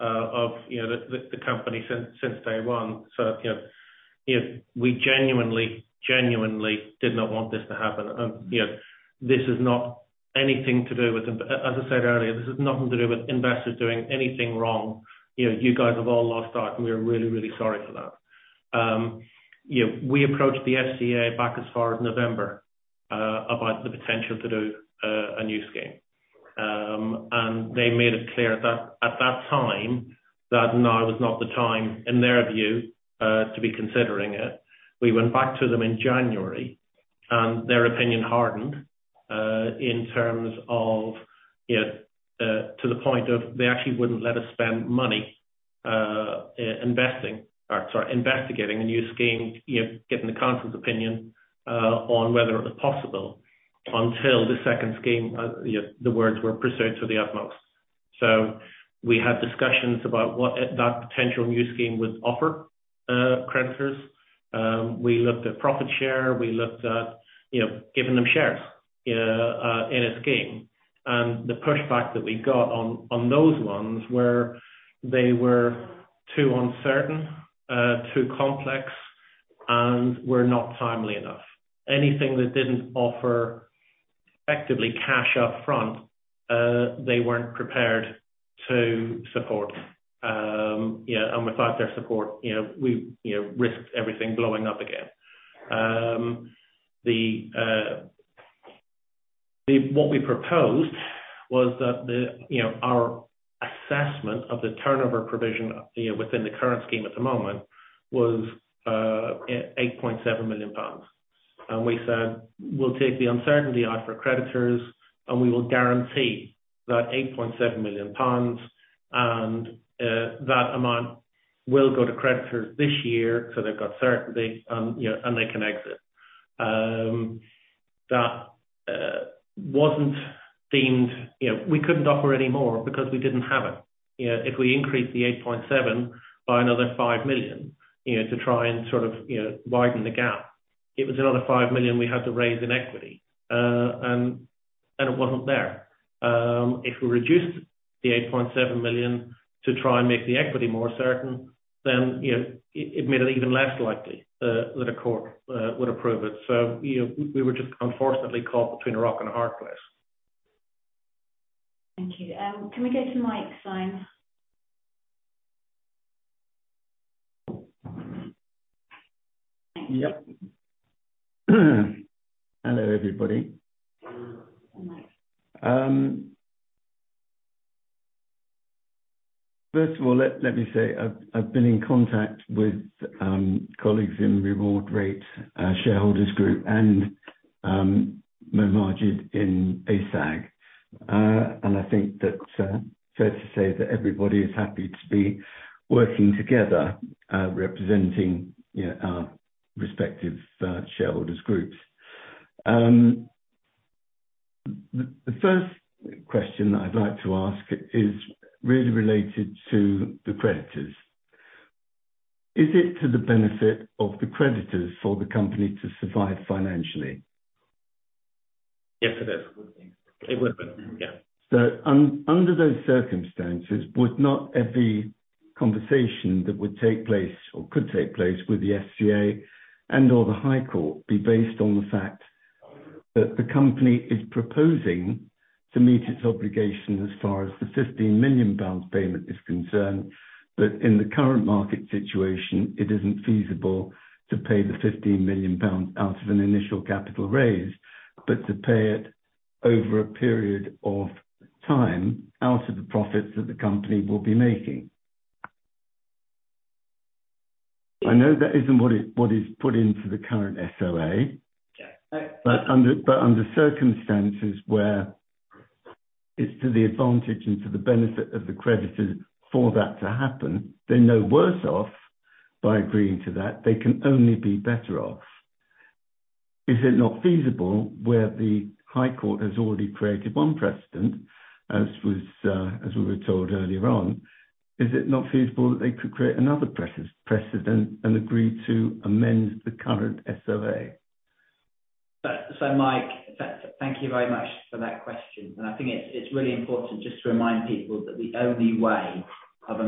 of, you know, the company since day one. You know, we genuinely did not want this to happen. You know, as I said earlier, this is nothing to do with investors doing anything wrong. You know, you guys have all lost out, and we are really sorry for that. You know, we approached the FCA back as far as November about the potential to do a new scheme. They made it clear at that time that now was not the time, in their view, to be considering it. We went back to them in January, their opinion hardened, in terms of, you know, to the point of they actually wouldn't let us spend money investigating a new scheme, you know, getting the Counsel's opinion on whether it was possible until the second scheme, you know, the words were pursued to the utmost. We had discussions about what that potential new scheme would offer creditors. We looked at profit share. We looked at, you know, giving them shares in a scheme. The pushback that we got on those ones were they were too uncertain, too complex and were not timely enough. Anything that didn't offer effectively cash up front, they weren't prepared to support. You know, and without their support, you know, we, you know, risked everything blowing up again. What we proposed was that the, you know, our assessment of the turnover provision, you know, within the current scheme at the moment was 8.7 million pounds. We said, "We'll take the uncertainty out for creditors, and we will guarantee that 8.7 million pounds and that amount will go to creditors this year, so they've got certainty and, you know, and they can exit." That wasn't deemed, you know, we couldn't offer any more because we didn't have it. You know, if we increased the 8.7 million by another 5 million- You know, to try and sort of, you know, widen the gap. It was another 5 million we had to raise in equity, and it wasn't there. If we reduced the 8.7 million to try and make the equity more certain, then, you know, it made it even less likely that a court would approve it. You know, we were just unfortunately caught between a rock and a hard place. Thank you. Can we go to Mike Symes? Yep. Hello, everybody. Hello, Mike. First of all, let me say, I've been in contact with colleagues in RewardRate Shareholders Group and Mo Majed in ASAG. And I think that fair to say that everybody is happy to be working together, representing, you know, our respective shareholders groups. The first question that I'd like to ask is really related to the creditors. Is it to the benefit of the creditors for the company to survive financially? Yes, it is. It would be. Yeah. Under those circumstances, would not every conversation that would take place or could take place with the FCA and/or the High Court be based on the fact that the company is proposing to meet its obligations as far as the 15 million pounds payment is concerned, but in the current market situation, it isn't feasible to pay the 15 million pounds out of an initial capital raise, but to pay it over a period of time out of the profits that the company will be making? I know that isn't what is put into the current SOA. Yeah. Under circumstances where it's to the advantage and to the benefit of the creditors for that to happen, they're no worse off by agreeing to that, they can only be better off. Is it not feasible where the High Court has already created one precedent, as was, as we were told earlier on, is it not feasible that they could create another precedent and agree to amend the current SOA? Mike, thank you very much for that question. I think it's really important just to remind people that the only way of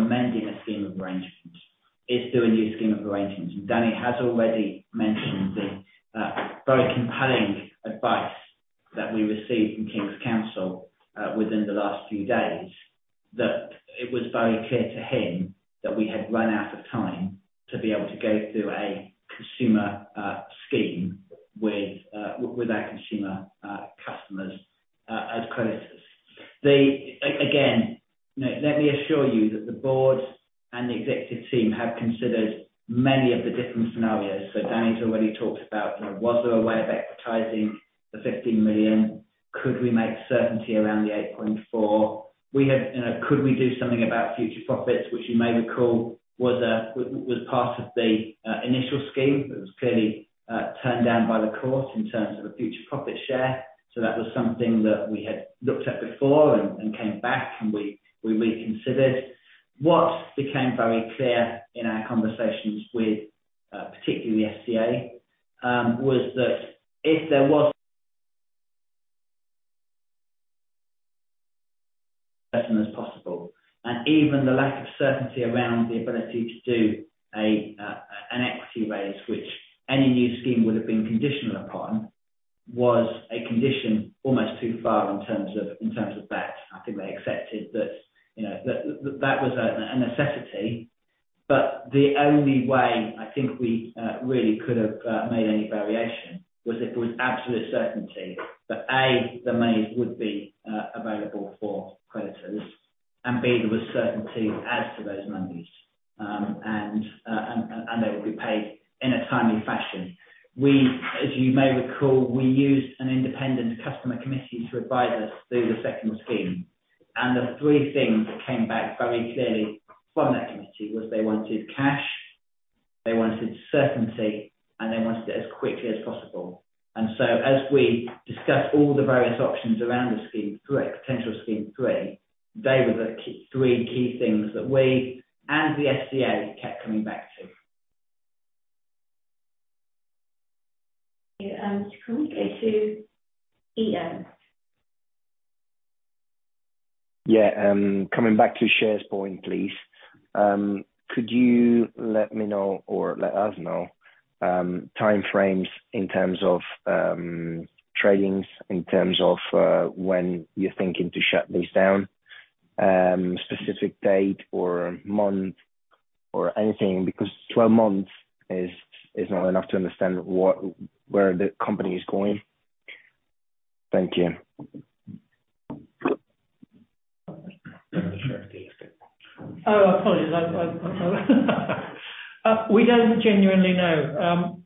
Scheme of Arrangement is through Scheme of Arrangement. Danny has already mentioned the very compelling advice that we received from King's Counsel within the last few days, that it was very clear to him that we had run out of time to be able to go through a consumer scheme with our consumer customers as creditors. Again, you know, let me assure you that the board and the executive team have considered many of the different scenarios. Danny's already talked about, you know, was there a way of equitizing the 15 million? Could we make certainty around the 8.4? We had… You know, could we do something about future profits, which you may recall was part of the initial scheme. It was clearly turned down by the court in terms of a future profit share. That was something that we had looked at before and came back, and we reconsidered. What became very clear in our conversations with particularly the FCA was that if there was as possible. Even the lack of certainty around the ability to do an equity raise, which any new scheme would have been conditional upon, was a condition almost too far in terms of that. I think they accepted that, you know, that was a necessity. The only way I think we really could have made any variation was if there was absolute certainty that, A, the money would be available for creditors, and B, there was certainty as to those monies. They would be paid in a timely fashion. We, as you may recall, we used an Independent Customers' Committee to advise us through the second scheme. The three things that came back very clearly from that committee was they wanted cash, they wanted certainty, and they wanted it as quickly as possible. As we discussed all the various options around the scheme three, potential scheme three, they were the three key things that we and the FCA kept coming back to. Okay, can we go to Ian? Coming back to shares point, please. Could you let me know or let us know, time frames in terms of, tradings, in terms of, when you're thinking to shut this down, specific date or month or anything, because 12 months is not enough to understand where the company is going. Thank you. Oh, apologies. I don't genuinely know.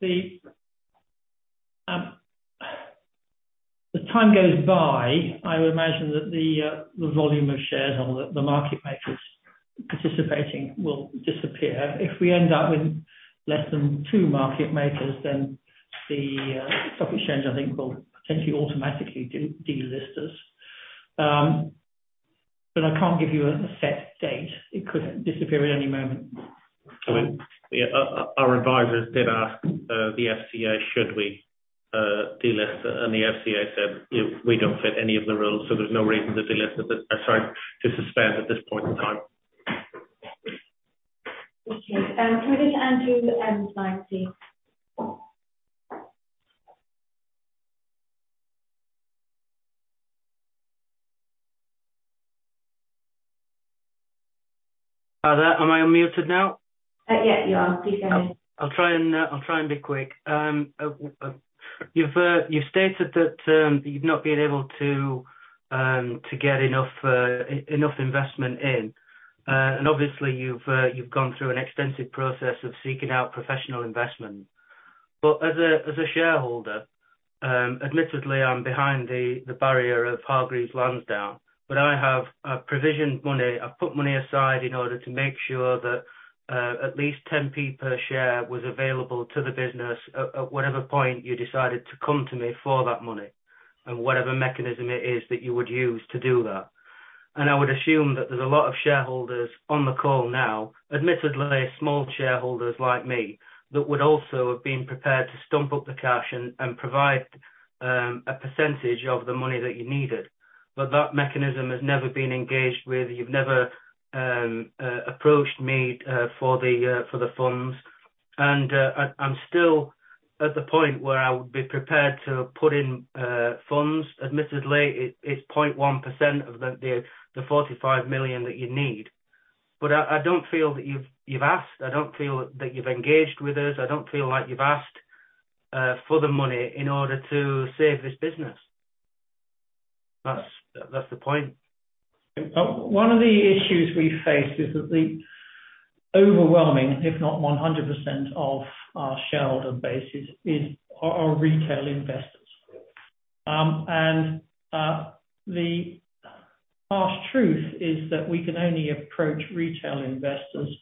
As time goes by, I would imagine that the volume of shares or the market makers participating will disappear. If we end up with less than two market makers, then the Stock Exchange, I think, will potentially automatically delist us. I can't give you a set date. It could disappear at any moment. I mean, yeah, our advisors did ask the FCA should we delist, and the FCA said we don't fit any of the rules, so there's no reason to delist or sorry, to suspend at this point in time. Okay. Can we go to Andrew M line, please? Hi there. Am I unmuted now? Yeah, you are. Please go ahead. I'll try and be quick. You've stated that you've not been able to get enough investment in, and obviously you've gone through an extensive process of seeking out professional investment. As a shareholder, admittedly, I'm behind the barrier of Hargreaves Lansdown, but I have provisioned money. I've put money aside in order to make sure that at least 0.10 per share was available to the business at whatever point you decided to come to me for that money and whatever mechanism it is that you would use to do that. I would assume that there's a lot of shareholders on the call now, admittedly small shareholders like me, that would also have been prepared to stump up the cash and provide a percentage of the money that you needed. That mechanism has never been engaged with. You've never approached me for the funds. I'm still at the point where I would be prepared to put in funds. Admittedly, it's 0.1% of the 45 million that you need. I don't feel that you've asked. I don't feel that you've engaged with us. I don't feel like you've asked for the money in order to save this business. That's the point. One of the issues we face is that the overwhelming, if not 100% of our shareholder base is our retail investors. The harsh truth is that we can only approach retail investors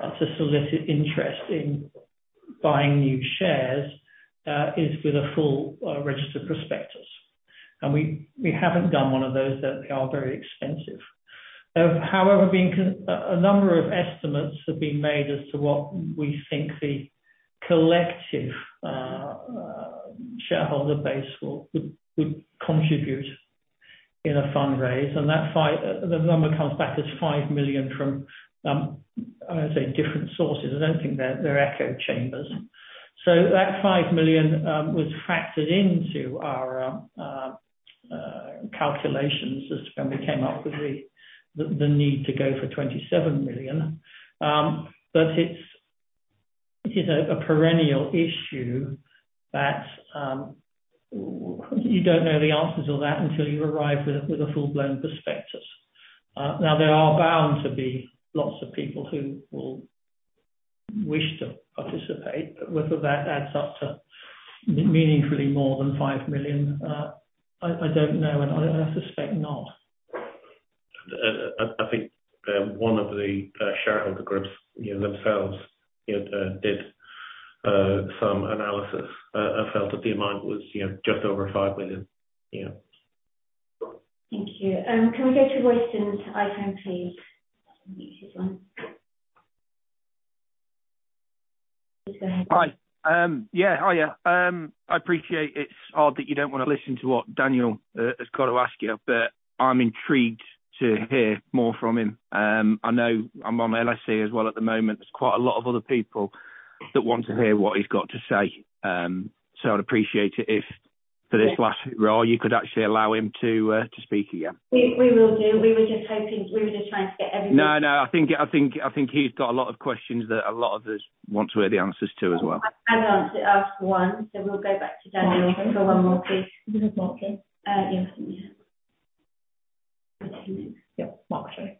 to solicit interest in buying new shares is with a full registered prospectus. We haven't done one of those. They are very expensive. However, a number of estimates have been made as to what we think the collective shareholder base would contribute in a fundraise, and the number comes back as 5 million from, I would say, different sources. I don't think they're echo chambers. That 5 million was factored into our calculations as when we came up with the need to go for 27 million. It's, you know, a perennial issue that, you don't know the answers to that until you arrive with a, with a full-blown prospectus. There are bound to be lots of people who will wish to participate, whether that adds up to meaningfully more than 5 million, I don't know, and I suspect not. I think, one of the shareholder groups, you know, themselves, you know, did some analysis and felt that the amount was, you know, just over 5 million. Thank you. Can we go to Royston iPhone, please? Unmuted 1. Please go ahead. Hi. Yeah. Hiya. I appreciate it's odd that you don't wanna listen to what Daniel has got to ask you. I'm intrigued to hear more from him. I know I'm on LSE as well at the moment. There's quite a lot of other people that want to hear what he's got to say. I'd appreciate it if for this last roar, you could actually allow him to speak again. We will do. We were just trying to get everybody. No. I think he's got a lot of questions that a lot of us want to hear the answers to as well. I've asked one. We'll go back to Daniel for one more, please. Is it Mark then? Yes. Yeah. Mark, sorry.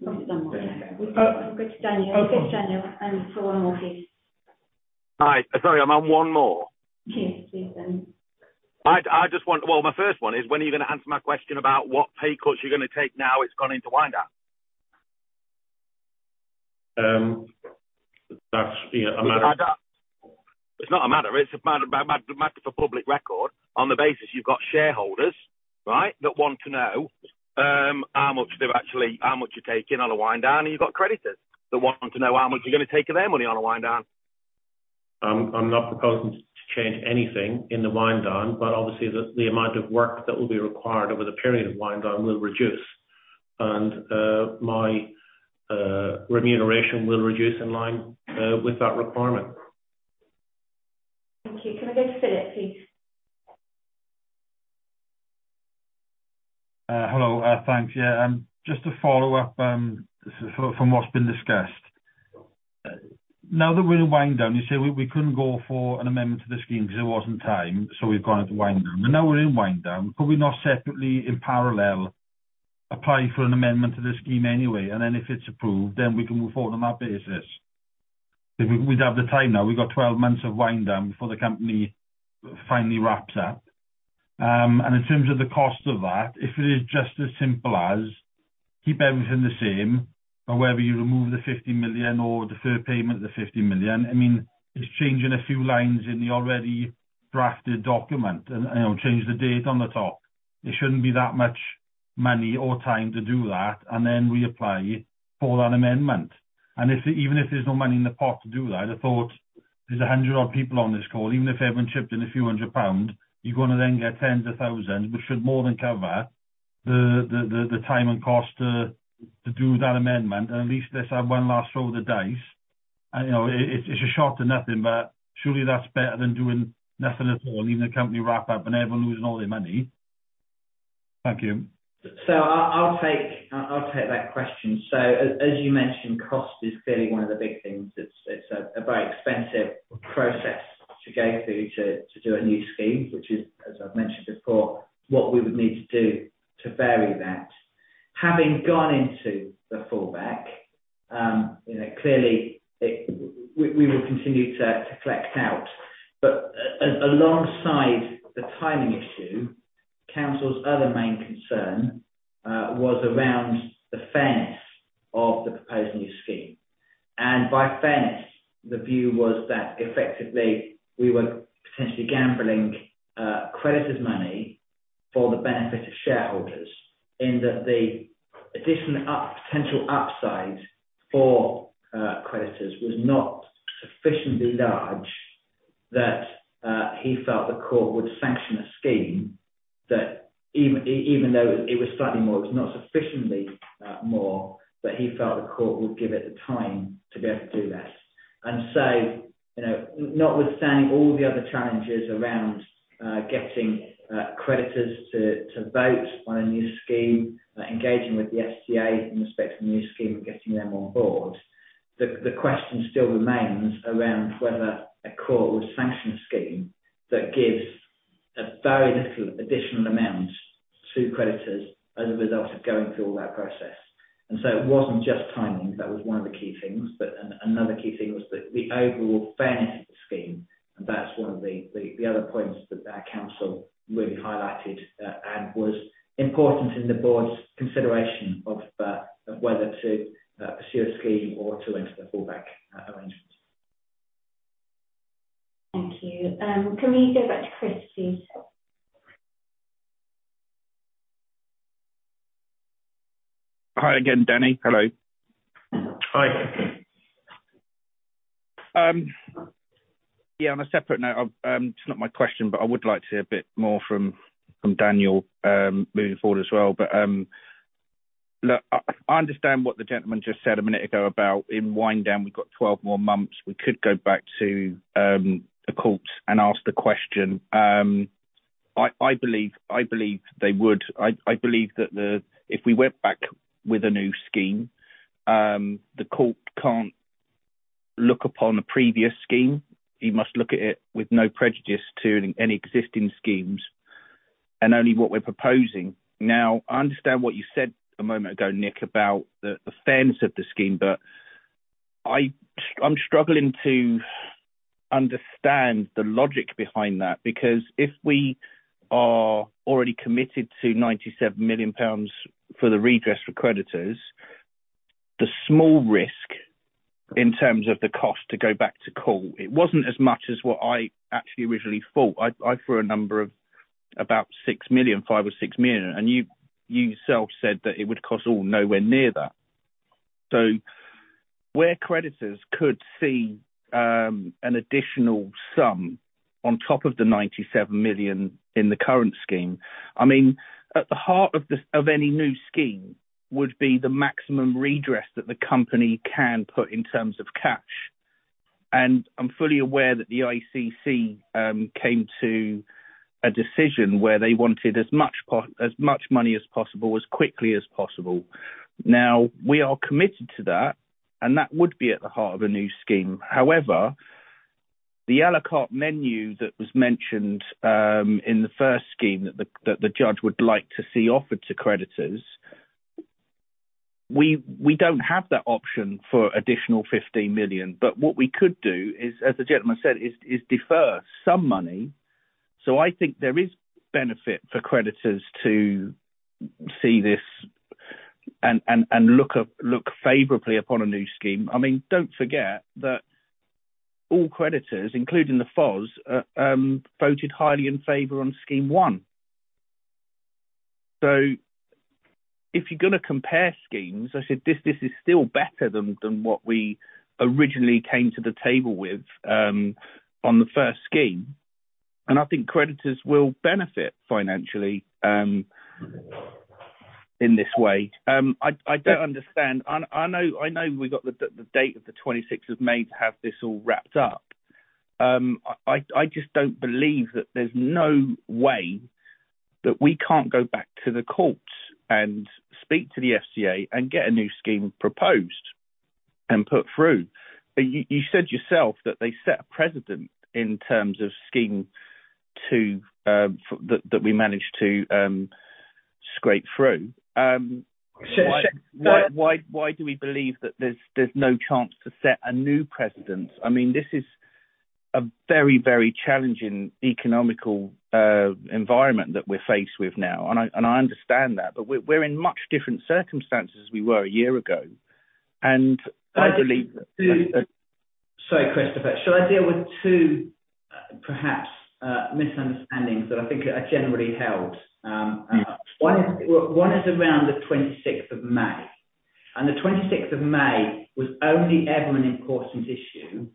We'll go to Daniel. Okay. We'll go to Daniel, and for one more please. Hi. Sorry, I'm on one more? Yes, please then. I just want. Well, my first one is, when are you gonna answer my question about what pay cuts you're gonna take now it's gone into wind down? That's, you know, a matter-. It's not a matter. It's a matter for public record on the basis you've got shareholders, right? That want to know how much you're taking on a wind down, and you've got creditors that want to know how much you're gonna take of their money on a wind down. I'm not proposing to change anything in the wind down, but obviously the amount of work that will be required over the period of wind down will reduce. My remuneration will reduce in line with that requirement. Thank you. Can I go to Philip, please? Hello. Thanks. Yeah. Just to follow up, from what's been discussed, now that we're in wind-down, you say we couldn't go for an amendment to the scheme because there wasn't time, we've gone into wind-down. Now we're in wind-down, could we not separately, in parallel, apply for an amendment to the scheme anyway, if it's approved, we can move forward on that basis? We'd have the time now. We've got 12 months of wind-down before the company finally wraps up. In terms of the cost of that, if it is just as simple as whether you remove the 50 million or defer payment of the 50 million. I mean, it's changing a few lines in the already drafted document and, you know, change the date on the top. It shouldn't be that much money or time to do that and then reapply for that amendment. If even if there's no money in the pot to do that, I thought there's 100 odd people on this call. Even if everyone chipped in a few hundred GBP, you're gonna then get tens of thousands GBP, which should more than cover the, the time and cost to do that amendment. At least let's have one last roll of the dice. You know, it's a shot to nothing, but surely that's better than doing nothing at all, leaving the company wrapped up and everyone losing all their money. Thank you. I'll take that question. As you mentioned, cost is clearly one of the big things. It's a very expensive process to go through to do a new scheme, which is, as I've mentioned before, what we would need to do to vary that. Having gone into the fallback, you know, clearly we will continue to collect out. Alongside the timing issue, counsel's other main concern, was around the fairness of the proposed new scheme. By fairness, the view was that effectively we were potentially gambling creditors' money for the benefit of shareholders in that the additional potential upside for creditors was not sufficiently large that he felt the court would sanction a scheme that even though it was slightly more, it was not sufficiently more, that he felt the court would give it the time to be able to do that. You know, notwithstanding all the other challenges around getting creditors to vote on a new scheme, engaging with the FCA in respect of the new scheme and getting them on board, the question still remains around whether a court will sanction a scheme that gives a very little additional amount to creditors as a result of going through all that process. It wasn't just timing. That was one of the key things. Another key thing was the overall fairness of the scheme, and that's one of the other points that the counsel really highlighted, and was important in the Board's consideration of whether to pursue a scheme or to enter the fallback arrangement. Thank you. Can we go back to Chris, please? Hi again, Danny. Hello. Hi. Yeah, on a separate note, it's not my question, but I would like to hear a bit more from Daniel moving forward as well. I understand what the gentleman just said a minute ago about in wind-down, we've got 12 more months. We could go back to the courts and ask the question. I believe they would. I believe that if we went back with a new scheme, the court can't look upon the previous scheme. He must look at it with no prejudice to any existing schemes and only what we're proposing. I understand what you said a moment ago, Nick, about the fairness of the scheme, but I'm struggling to understand the logic behind that, because if we are already committed to 97 million pounds for the redress for creditors, the small risk in terms of the cost to go back to court, it wasn't as much as what I actually originally thought. I threw a number of about 6 million, 5 million or 6 million, and you self said that it would cost all nowhere near that. Where creditors could see an additional sum on top of the 97 million in the current scheme, I mean, at the heart of any new scheme would be the maximum redress that the company can put in terms of cash. I'm fully aware that the ICC came to a decision where they wanted as much money as possible, as quickly as possible. We are committed to that, and that would be at the heart of a new scheme. The à la carte menu that was mentioned in the first scheme that the judge would like to see offered to creditors, we don't have that option for additional 15 million. What we could do is, as the gentleman said, defer some money. I think there is benefit for creditors to see this and look favorably upon a new scheme. Don't forget that all creditors, including the FOS, voted highly in favor on scheme one. If you're gonna compare schemes, I said this is still better than what we originally came to the table with on the first scheme. I think creditors will benefit financially in this way. I don't understand. I know we've got the date of the 26th of May to have this all wrapped up. I just don't believe that there's no way that we can't go back to the courts and speak to the FCA and get a new scheme proposed and put through. You said yourself that they set a precedent in terms of Scheme Two that we managed to scrape through. Why do we believe that there's no chance to set a new precedent? I mean, this is-A very, very challenging economical environment that we're faced with now, and I understand that, but we're in much different circumstances we were a year ago. I believe- Sorry, Christopher. Shall I deal with two perhaps misunderstandings that I think are generally held? Yeah. One is around the 26th of May. The 26th of May was only ever an important issue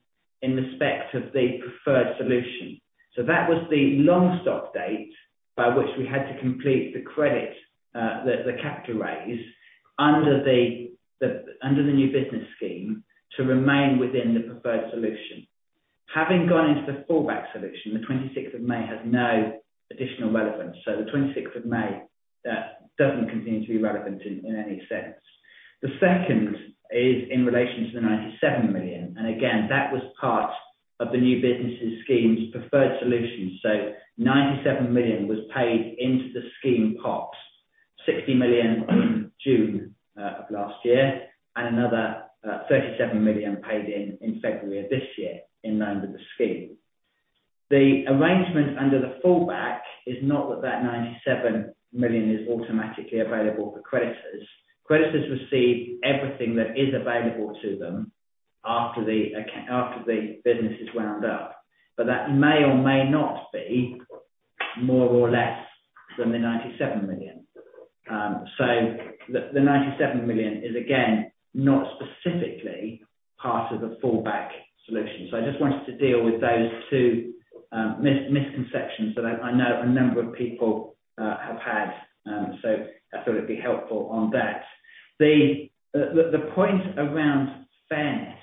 in respect of the Preferred Solution. That was the long-stop date by which we had to complete the capital raise under the New Business Scheme to remain within the Preferred Solution. Having gone into the Fallback Solution, the 26th of May has no additional relevance. The 26th of May doesn't continue to be relevant in any sense. The second is in relation to 97 million. Again, that was part of the New Business Scheme's Preferred Solution. 97 million was paid into the scheme pot, 60 million in June of last year, and another 37 million paid in February of this year in line with the scheme. The arrangement under the Fallback is not that that 97 million is automatically available for creditors. Creditors receive everything that is available to them after the business is wound up. That may or may not be more or less than the 97 million. The 97 million is again, not specifically part of the Fallback Solution. I just wanted to deal with those two misconceptions that I know a number of people have had, so I thought it'd be helpful on that. The point around fairness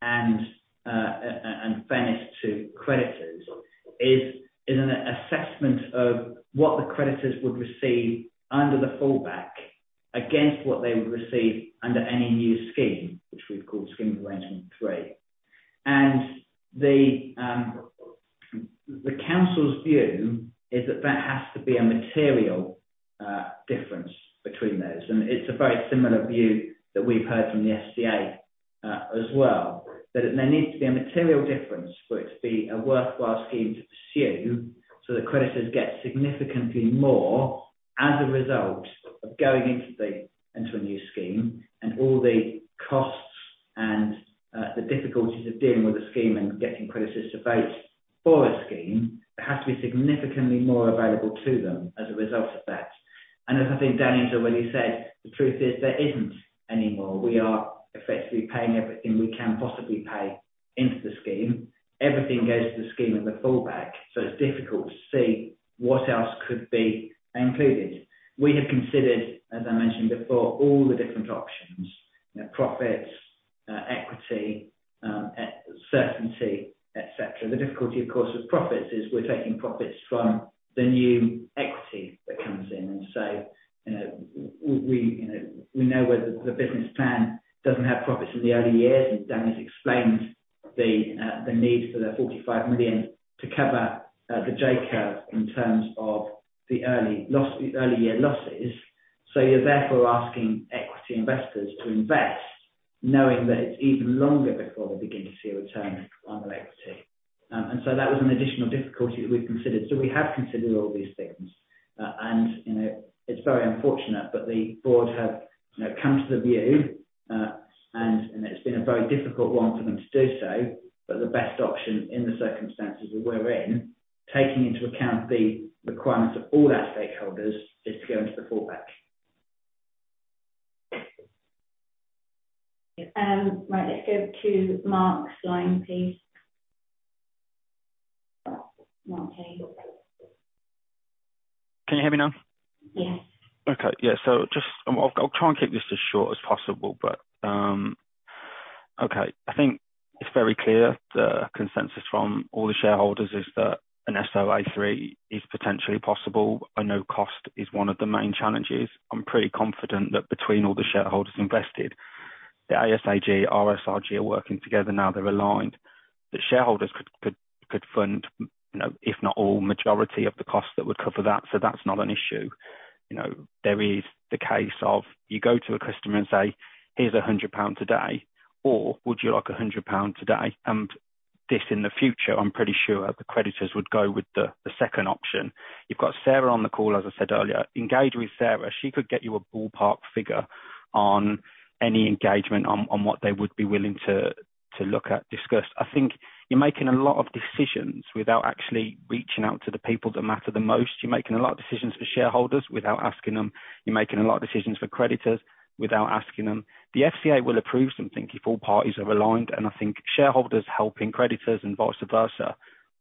and fairness to creditors is an assessment of what the creditors would receive under the Fallback against what they would receive under any new scheme, which we've called Scheme Arrangement Three. The council's view is that there has to be a material difference between those. It's a very similar view that we've heard from the FCA as well, that there needs to be a material difference for it to be a worthwhile scheme to pursue so that creditors get significantly more as a result of going into the, into a new scheme and all the costs and the difficulties of dealing with a scheme and getting creditors to vote for a scheme. There has to be significantly more available to them as a result of that. As I think Daniel has already said, the truth is there isn't any more. We are effectively paying everything we can possibly pay into the scheme. Everything goes to the scheme and the fallback, so it's difficult to see what else could be included. We have considered, as I mentioned before, all the different options, profits, equity, certainty, etc. The difficulty, of course, with profits is we're taking profits from the new equity that comes in. We know where the business plan doesn't have profits in the early years, and Daniel's explained the need for the 45 million to cover the J-curve in terms of the early loss, early year losses. You're therefore asking equity investors to invest knowing that it's even longer before they begin to see a return on their equity. That was an additional difficulty that we considered. We have considered all these things, and, you know, it's very unfortunate, but the board have, you know, come to the view, and it's been a very difficult one for them to do so, but the best option in the circumstances that we're in, taking into account the requirements of all our stakeholders, is to go into the Fallback. Let's go to Mark flying please. Mark, are you okay? Can you hear me now? Yes. Yeah. Just I'll try and keep this as short as possible, but. I think it's very clear the consensus from all the shareholders is that an SOA 3 is potentially possible. I know cost is one of the main challenges. I'm pretty confident that between all the shareholders invested, the ASAG, RSRG are working together now they're aligned. The shareholders could fund, you know, if not all, majority of the costs that would cover that. That's not an issue. You know, there is the case of you go to a customer and say, "Here's 100 pound today," or, "Would you like 100 pound today and this in the future?" I'm pretty sure the creditors would go with the second option. You've got Sarah on the call, as I said earlier. Engage with Sarah. She could get you a ballpark figure on any engagement on what they would be willing to look at, discuss. I think you're making a lot of decisions without actually reaching out to the people that matter the most. You're making a lot of decisions for shareholders without asking them. You're making a lot of decisions for creditors without asking them. The FCA will approve something if all parties are aligned, and I think shareholders helping creditors and vice versa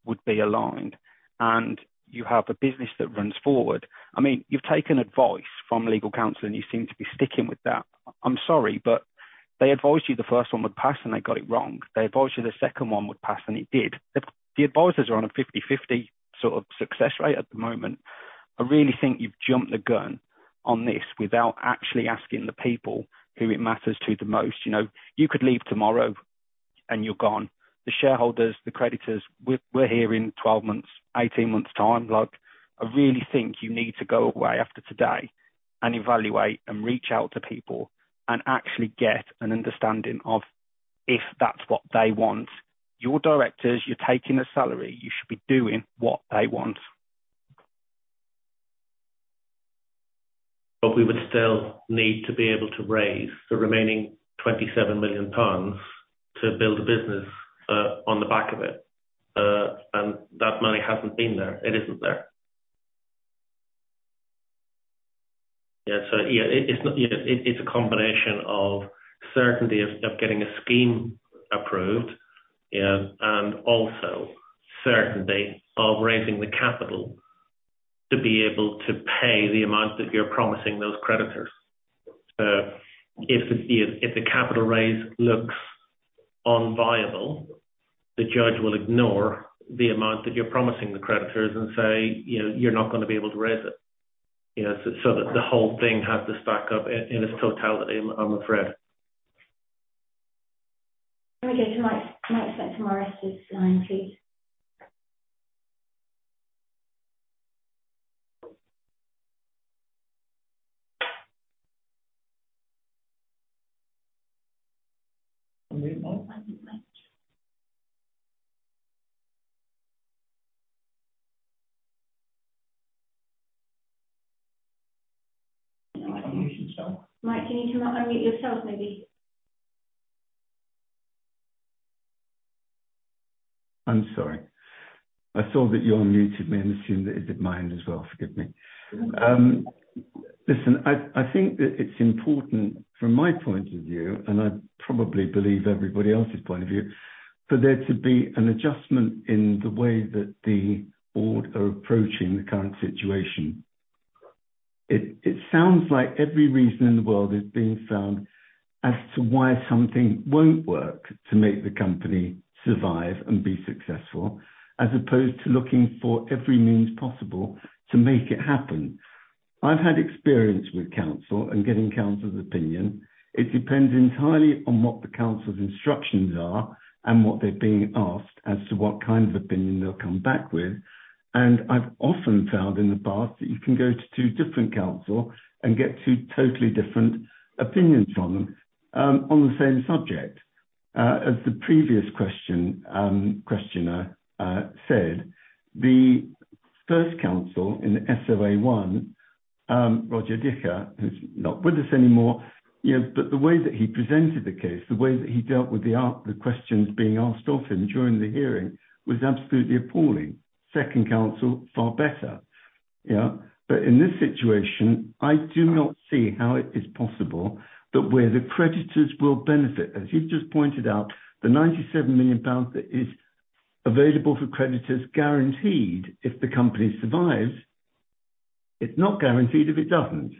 would be aligned. You have a business that runs forward. I mean, you've taken advice from legal counsel, and you seem to be sticking with that. I'm sorry, they advised you the first one would pass, and they got it wrong. They advised you the second one would pass, and it did. The advisors are on a 50/50 sort of success rate at the moment. I really think you've jumped the gun on this without actually asking the people who it matters to the most. You know, you could leave tomorrow and you're gone. The shareholders, the creditors, we're here in 12 months, 18 months' time. Like, I really think you need to go away after today. Evaluate and reach out to people and actually get an understanding of if that's what they want. You're directors, you're taking a salary, you should be doing what they want. We would still need to be able to raise the remaining 27 million pounds to build a business on the back of it. That money hasn't been there. It isn't there. Yeah. So yeah, it's, you know, it's a combination of certainty of getting a scheme approved, yeah, and also certainty of raising the capital to be able to pay the amount that you're promising those creditors. If the capital raise looks unviable, the judge will ignore the amount that you're promising the creditors and say, you know, "You're not gonna be able to raise it." You know, so the whole thing has to stack up in its totality, I'm afraid. Let me go to Mike. Can I expect Mike to sign, please? Unmute, Mike. Mike, you need to un-mute yourself maybe. I'm sorry. I saw that you unmuted me and assumed that it did mine as well. Forgive me. Listen, I think that it's important from my point of view, and I probably believe everybody else's point of view, for there to be an adjustment in the way that the board are approaching the current situation. It sounds like every reason in the world is being found as to why something won't work to make the company survive and be successful, as opposed to looking for every means possible to make it happen. I've had experience with counsel and getting counsel's opinion. It depends entirely on what the counsel's instructions are and what they're being asked as to what kind of opinion they'll come back with. I've often found in the past that you can go to two different counsel and get two totally different opinions from them on the same subject. As the previous question, questioner said, the 1st counsel in the SOA 1, Roger Bennett, who's not with us anymore, you know, the way that he presented the case, the way that he dealt with the questions being asked of him during the hearing was absolutely appalling. 2nd counsel, far better. Yeah. In this situation, I do not see how it is possible that where the creditors will benefit, as you've just pointed out, the 97 million pounds that is available for creditors guaranteed if the company survives, it's not guaranteed if it doesn't.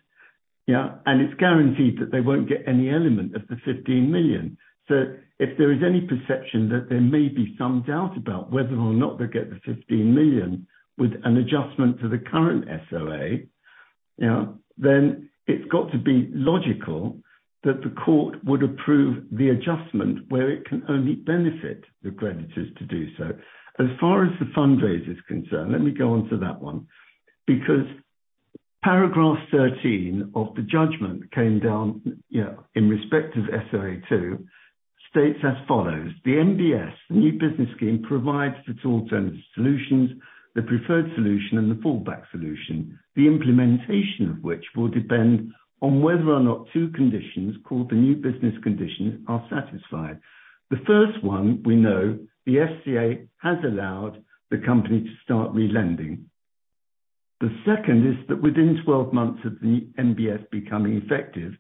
Yeah. It's guaranteed that they won't get any element of the 15 million. If there is any perception that there may be some doubt about whether or not they'll get the 15 million with an adjustment to the current SOA, you know, then it's got to be logical that the court would approve the adjustment where it can only benefit the creditors to do so. As far as the fundraise is concerned, let me go on to that one, because paragraph 13 of the judgment came down, you know, in respect of SOA 2, states as follows: "The NBS, the New Business Scheme, provides for two alternative solutions, the Preferred Solution and the Fallback Solution, the implementation of which will depend on whether or not two conditions, called the New Business Conditions, are satisfied. The first one, we know the FCA has allowed the company to start relending. The second is that within 12 months of the NBS becoming effective,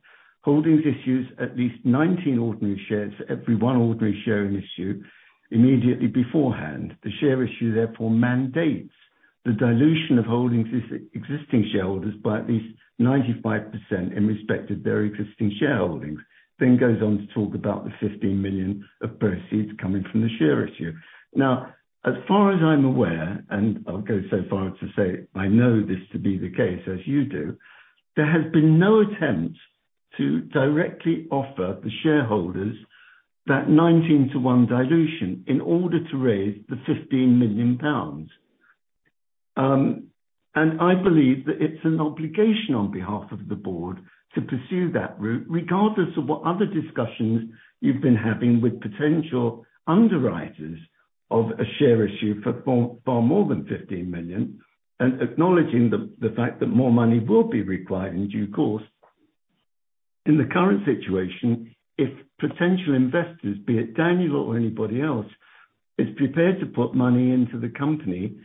Holdings issues at least 19 ordinary shares for every one ordinary share in issue immediately beforehand. The share issue therefore mandates the dilution of Holdings ex-existing shareholders by at least 95% in respect of their existing shareholdings." Goes on to talk about the 15 million of proceeds coming from the share issue. As far as I'm aware, and I'll go so far as to say I know this to be the case as you do, there has been no attempt to directly offer the shareholders that 19 to one dilution in order to raise the 15 million pounds. I believe that it's an obligation on behalf of the board to pursue that route regardless of what other discussions you've been having with potential underwriters of a share issue for far, far more than 15 million, and acknowledging the fact that more money will be required in due course. In the current situation, if potential investors, be it Daniel or anybody else, is prepared to put money into the company,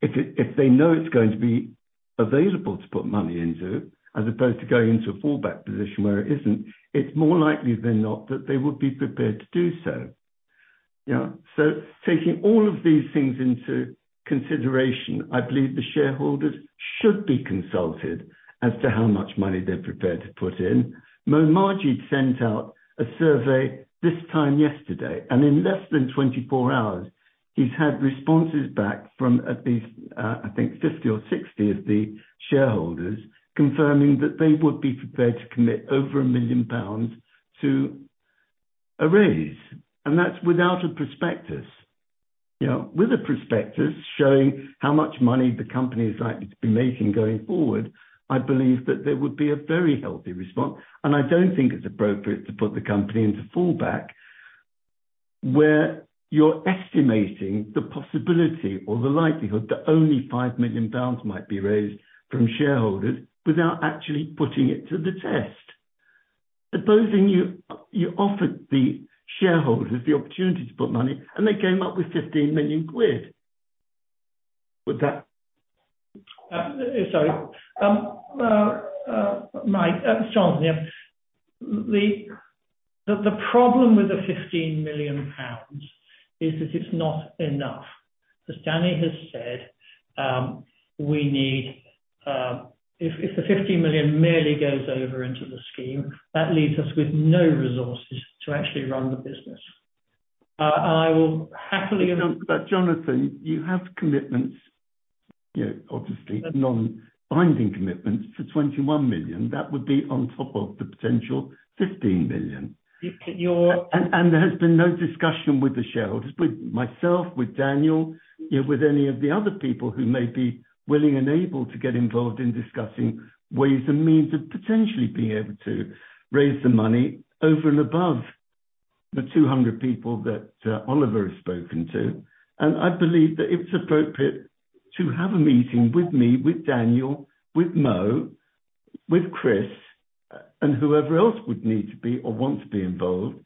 if they know it's going to be available to put money into, as opposed to going into a fallback position where it isn't, it's more likely than not that they would be prepared to do so. You know? Taking all of these things into consideration, I believe the shareholders should be consulted as to how much money they're prepared to put in. Mo Majed sent out a survey this time yesterday, and in less than 24 hours, he's had responses back from at least, I think 50 or 60 of the shareholders confirming that they would be prepared to commit over 1 million pounds to-... a raise, that's without a prospectus. You know, with a prospectus showing how much money the company is likely to be making going forward, I believe that there would be a very healthy response. I don't think it's appropriate to put the company into fallback where you're estimating the possibility or the likelihood that only 5 million pounds might be raised from shareholders without actually putting it to the test. Supposing you offered the shareholders the opportunity to put money and they came up with 15 million quid. Would that. Sorry. Mike, Jonathan, the problem with the 15 million pounds is that it's not enough. As Danny has said, we need. If the 15 million merely goes over into the scheme, that leaves us with no resources to actually run the business. I will happily. Jonathan, you have commitments, you know, obviously non-binding commitments for 21 million. That would be on top of the potential 15 million. You-you're- There has been no discussion with the shareholders, with myself, with Daniel, you know, with any of the other people who may be willing and able to get involved in discussing ways and means of potentially being able to raise the money over and above the 200 people that Oliver has spoken to. I believe that it's appropriate to have a meeting with me, with Daniel, with Mo, with Chris, and whoever else would need to be or want to be involved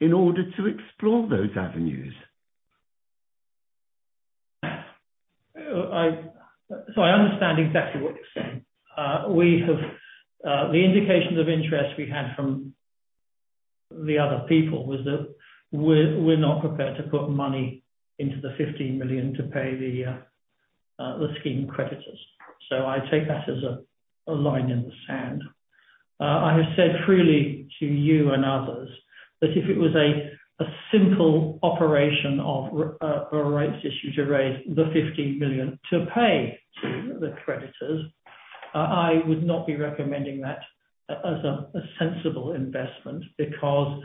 in order to explore those avenues. I understand exactly what you're saying. We have the indications of interest we had from the other people was that we're not prepared to put money into the 15 million to pay the scheme creditors. I take that as a line in the sand. I have said freely to you and others that if it was a simple operation of a rights issue to raise the 15 million to pay to the creditors, I would not be recommending that as a sensible investment because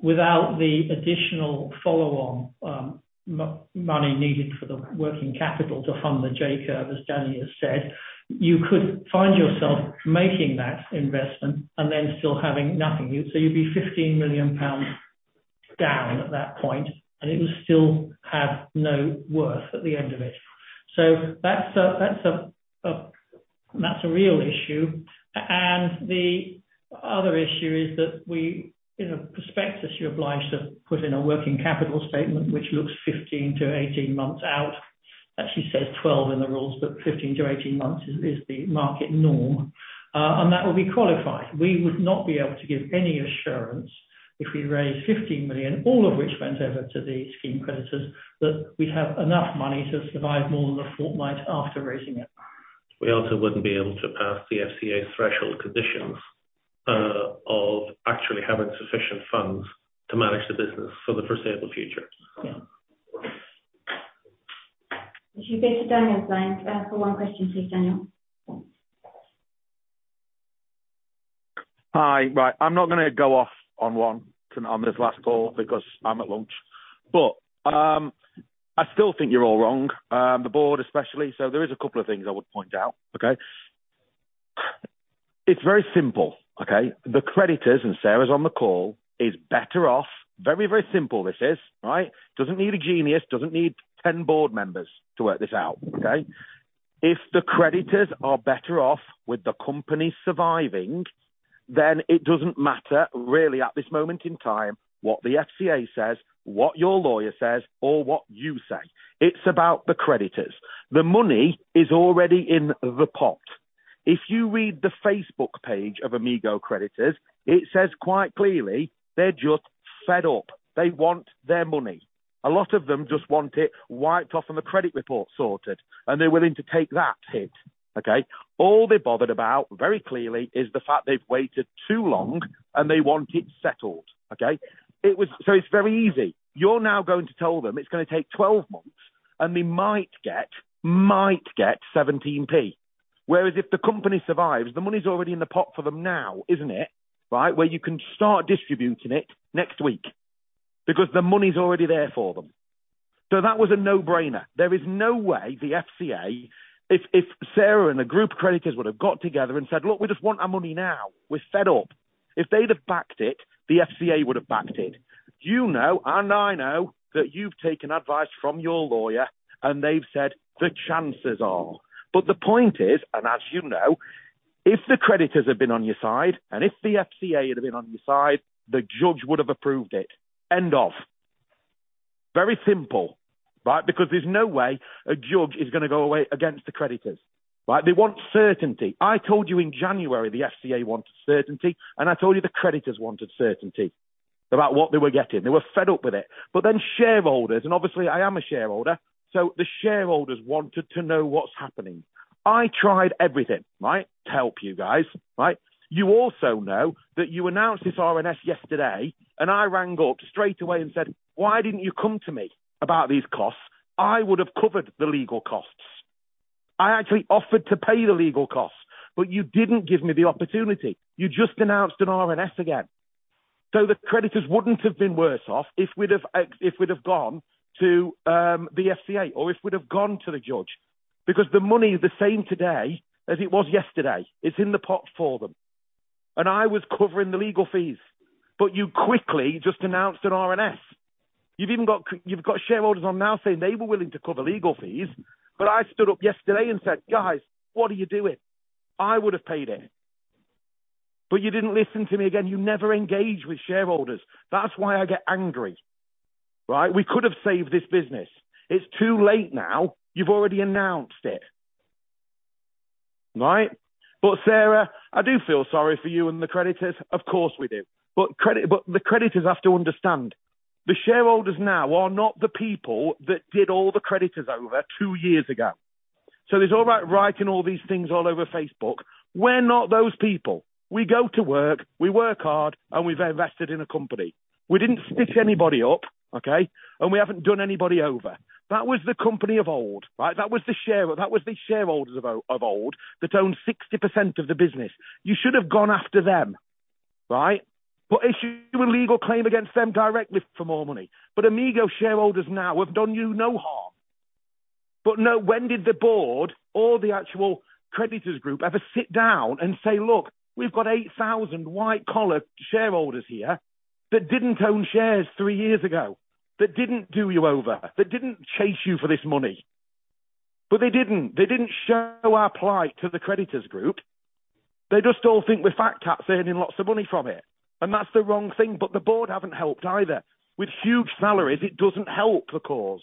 without the additional follow-on money needed for the working capital to fund the J-curve, as Danny has said, you could find yourself making that investment and then still having nothing. You'd be 15 million pounds down at that point, and it would still have no worth at the end of it. That's a real issue. The other issue is that we, in a prospectus, you're obliged to put in a working capital statement, which looks 15-18 months out. Actually says 12 in the rules, 15-18 months is the market norm. That would be qualified. We would not be able to give any assurance if we raised 15 million, all of which went over to the Scheme creditors, that we'd have enough money to survive more than a fortnight after raising it. We also wouldn't be able to pass the FCA's threshold conditions, of actually having sufficient funds to manage the business for the foreseeable future. Yeah. If you go to Daniel's line, for one question, please, Daniel. Hi. Right. I'm not gonna go off on one on this last call because I'm at lunch. I still think you're all wrong, the board especially. There is a couple of things I would point out, okay? It's very simple, okay? The creditors, and Sarah's on the call, is better off, very, very simple this is, right? Doesn't need a genius, doesn't need 10 board members to work this out, okay? If the creditors are better off with the company surviving, then it doesn't matter really at this moment in time what the FCA says, what your lawyer says, or what you say. It's about the creditors. The money is already in the pot. If you read the Facebook page of Amigo creditors, it says quite clearly they're just fed up. They want their money. A lot of them just want it wiped off and the credit report sorted, and they're willing to take that hit, okay? All they're bothered about, very clearly, is the fact they've waited too long, and they want it settled, okay? It's very easy. You're now going to tell them it's gonna take 12 months, and they might get 17 p. If the company survives, the money's already in the pot for them now, isn't it? Right? Where you can start distributing it next week because the money's already there for them. That was a no-brainer. There is no way the FCA... If Sarah and the group creditors would have got together and said, "Look, we just want our money now. We're fed up." If they'd have backed it, the FCA would have backed it. You know and I know that you've taken advice from your lawyer, and they've said, "The chances are..." The point is, and as you know, if the creditors had been on your side and if the FCA had been on your side, the judge would have approved it. End of. Very simple, right? There's no way a judge is gonna go away against the creditors, right? They want certainty. I told you in January, the FCA wanted certainty, and I told you the creditors wanted certainty about what they were getting. They were fed up with it. Shareholders, and obviously I am a shareholder, the shareholders wanted to know what's happening. I tried everything, right, to help you guys, right? You also know that you announced this RNS yesterday. I rang up straight away and said, "Why didn't you come to me about these costs? I would have covered the legal costs." I actually offered to pay the legal costs. You didn't give me the opportunity. You just announced an RNS again. The creditors wouldn't have been worse off if we'd have gone to the FCA or if we'd have gone to the judge because the money is the same today as it was yesterday. It's in the pot for them. I was covering the legal fees. You quickly just announced an RNS. You've even got shareholders on now saying they were willing to cover legal fees. I stood up yesterday and said, "Guys, what are you doing? I would have paid it." You didn't listen to me again. You never engage with shareholders. That's why I get angry, right? We could have saved this business. It's too late now. You've already announced it. Right? Sarah, I do feel sorry for you and the creditors, of course we do. The creditors have to understand, the shareholders now are not the people that did all the creditors over two years ago. It's all about writing all these things all over Facebook. We're not those people. We go to work, we work hard, and we've invested in a company. We didn't stitch anybody up, okay? We haven't done anybody over. That was the company of old, right? That was the shareholders of old that owned 60% of the business. You should have gone after them, right? Issue a legal claim against them directly for more money. Amigo shareholders now have done you no harm. No, when did the board or the actual creditors group ever sit down and say, "Look, we've got 8,000 white-collar shareholders here that didn't own shares three years ago, that didn't do you over, that didn't chase you for this money." They didn't. They didn't show our plight to the creditors group. They just all think we're fat cats earning lots of money from it. That's the wrong thing. The board haven't helped either. With huge salaries, it doesn't help the cause.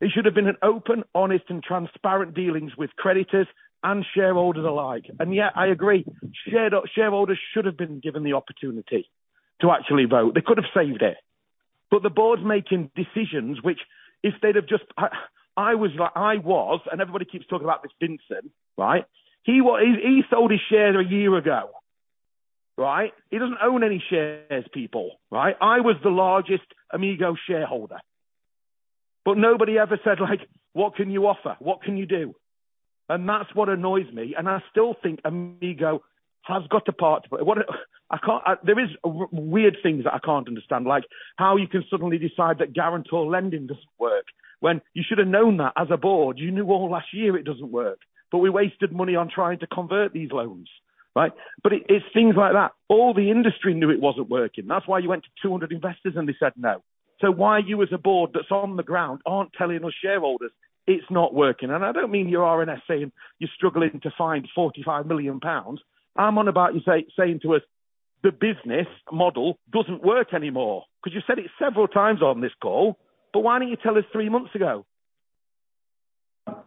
It should have been an open, honest, and transparent dealings with creditors and shareholders alike. Yeah, I agree. Shareholders should have been given the opportunity to actually vote. They could have saved it. The board's making decisions which if they'd have just. I was like, and everybody keeps talking about this Vincent, right? He sold his shares one year ago, right? He doesn't own any shares, people, right? I was the largest Amigo shareholder. Nobody ever said, like, "What can you offer? What can you do?" That's what annoys me. I still think Amigo has got a part to play. What. I can't. There is weird things that I can't understand, like how you can suddenly decide that guarantor lending doesn't work when you should have known that as a board. You knew all last year it doesn't work. We wasted money on trying to convert these loans, right? It's things like that. All the industry knew it wasn't working. That's why you went to 200 investors and they said no. Why you as a board that's on the ground aren't telling us shareholders it's not working? I don't mean your RNS saying you're struggling to find 45 million pounds. I'm on about you saying to us the business model doesn't work anymore. You've said it several times on this call, why didn't you tell us three months ago?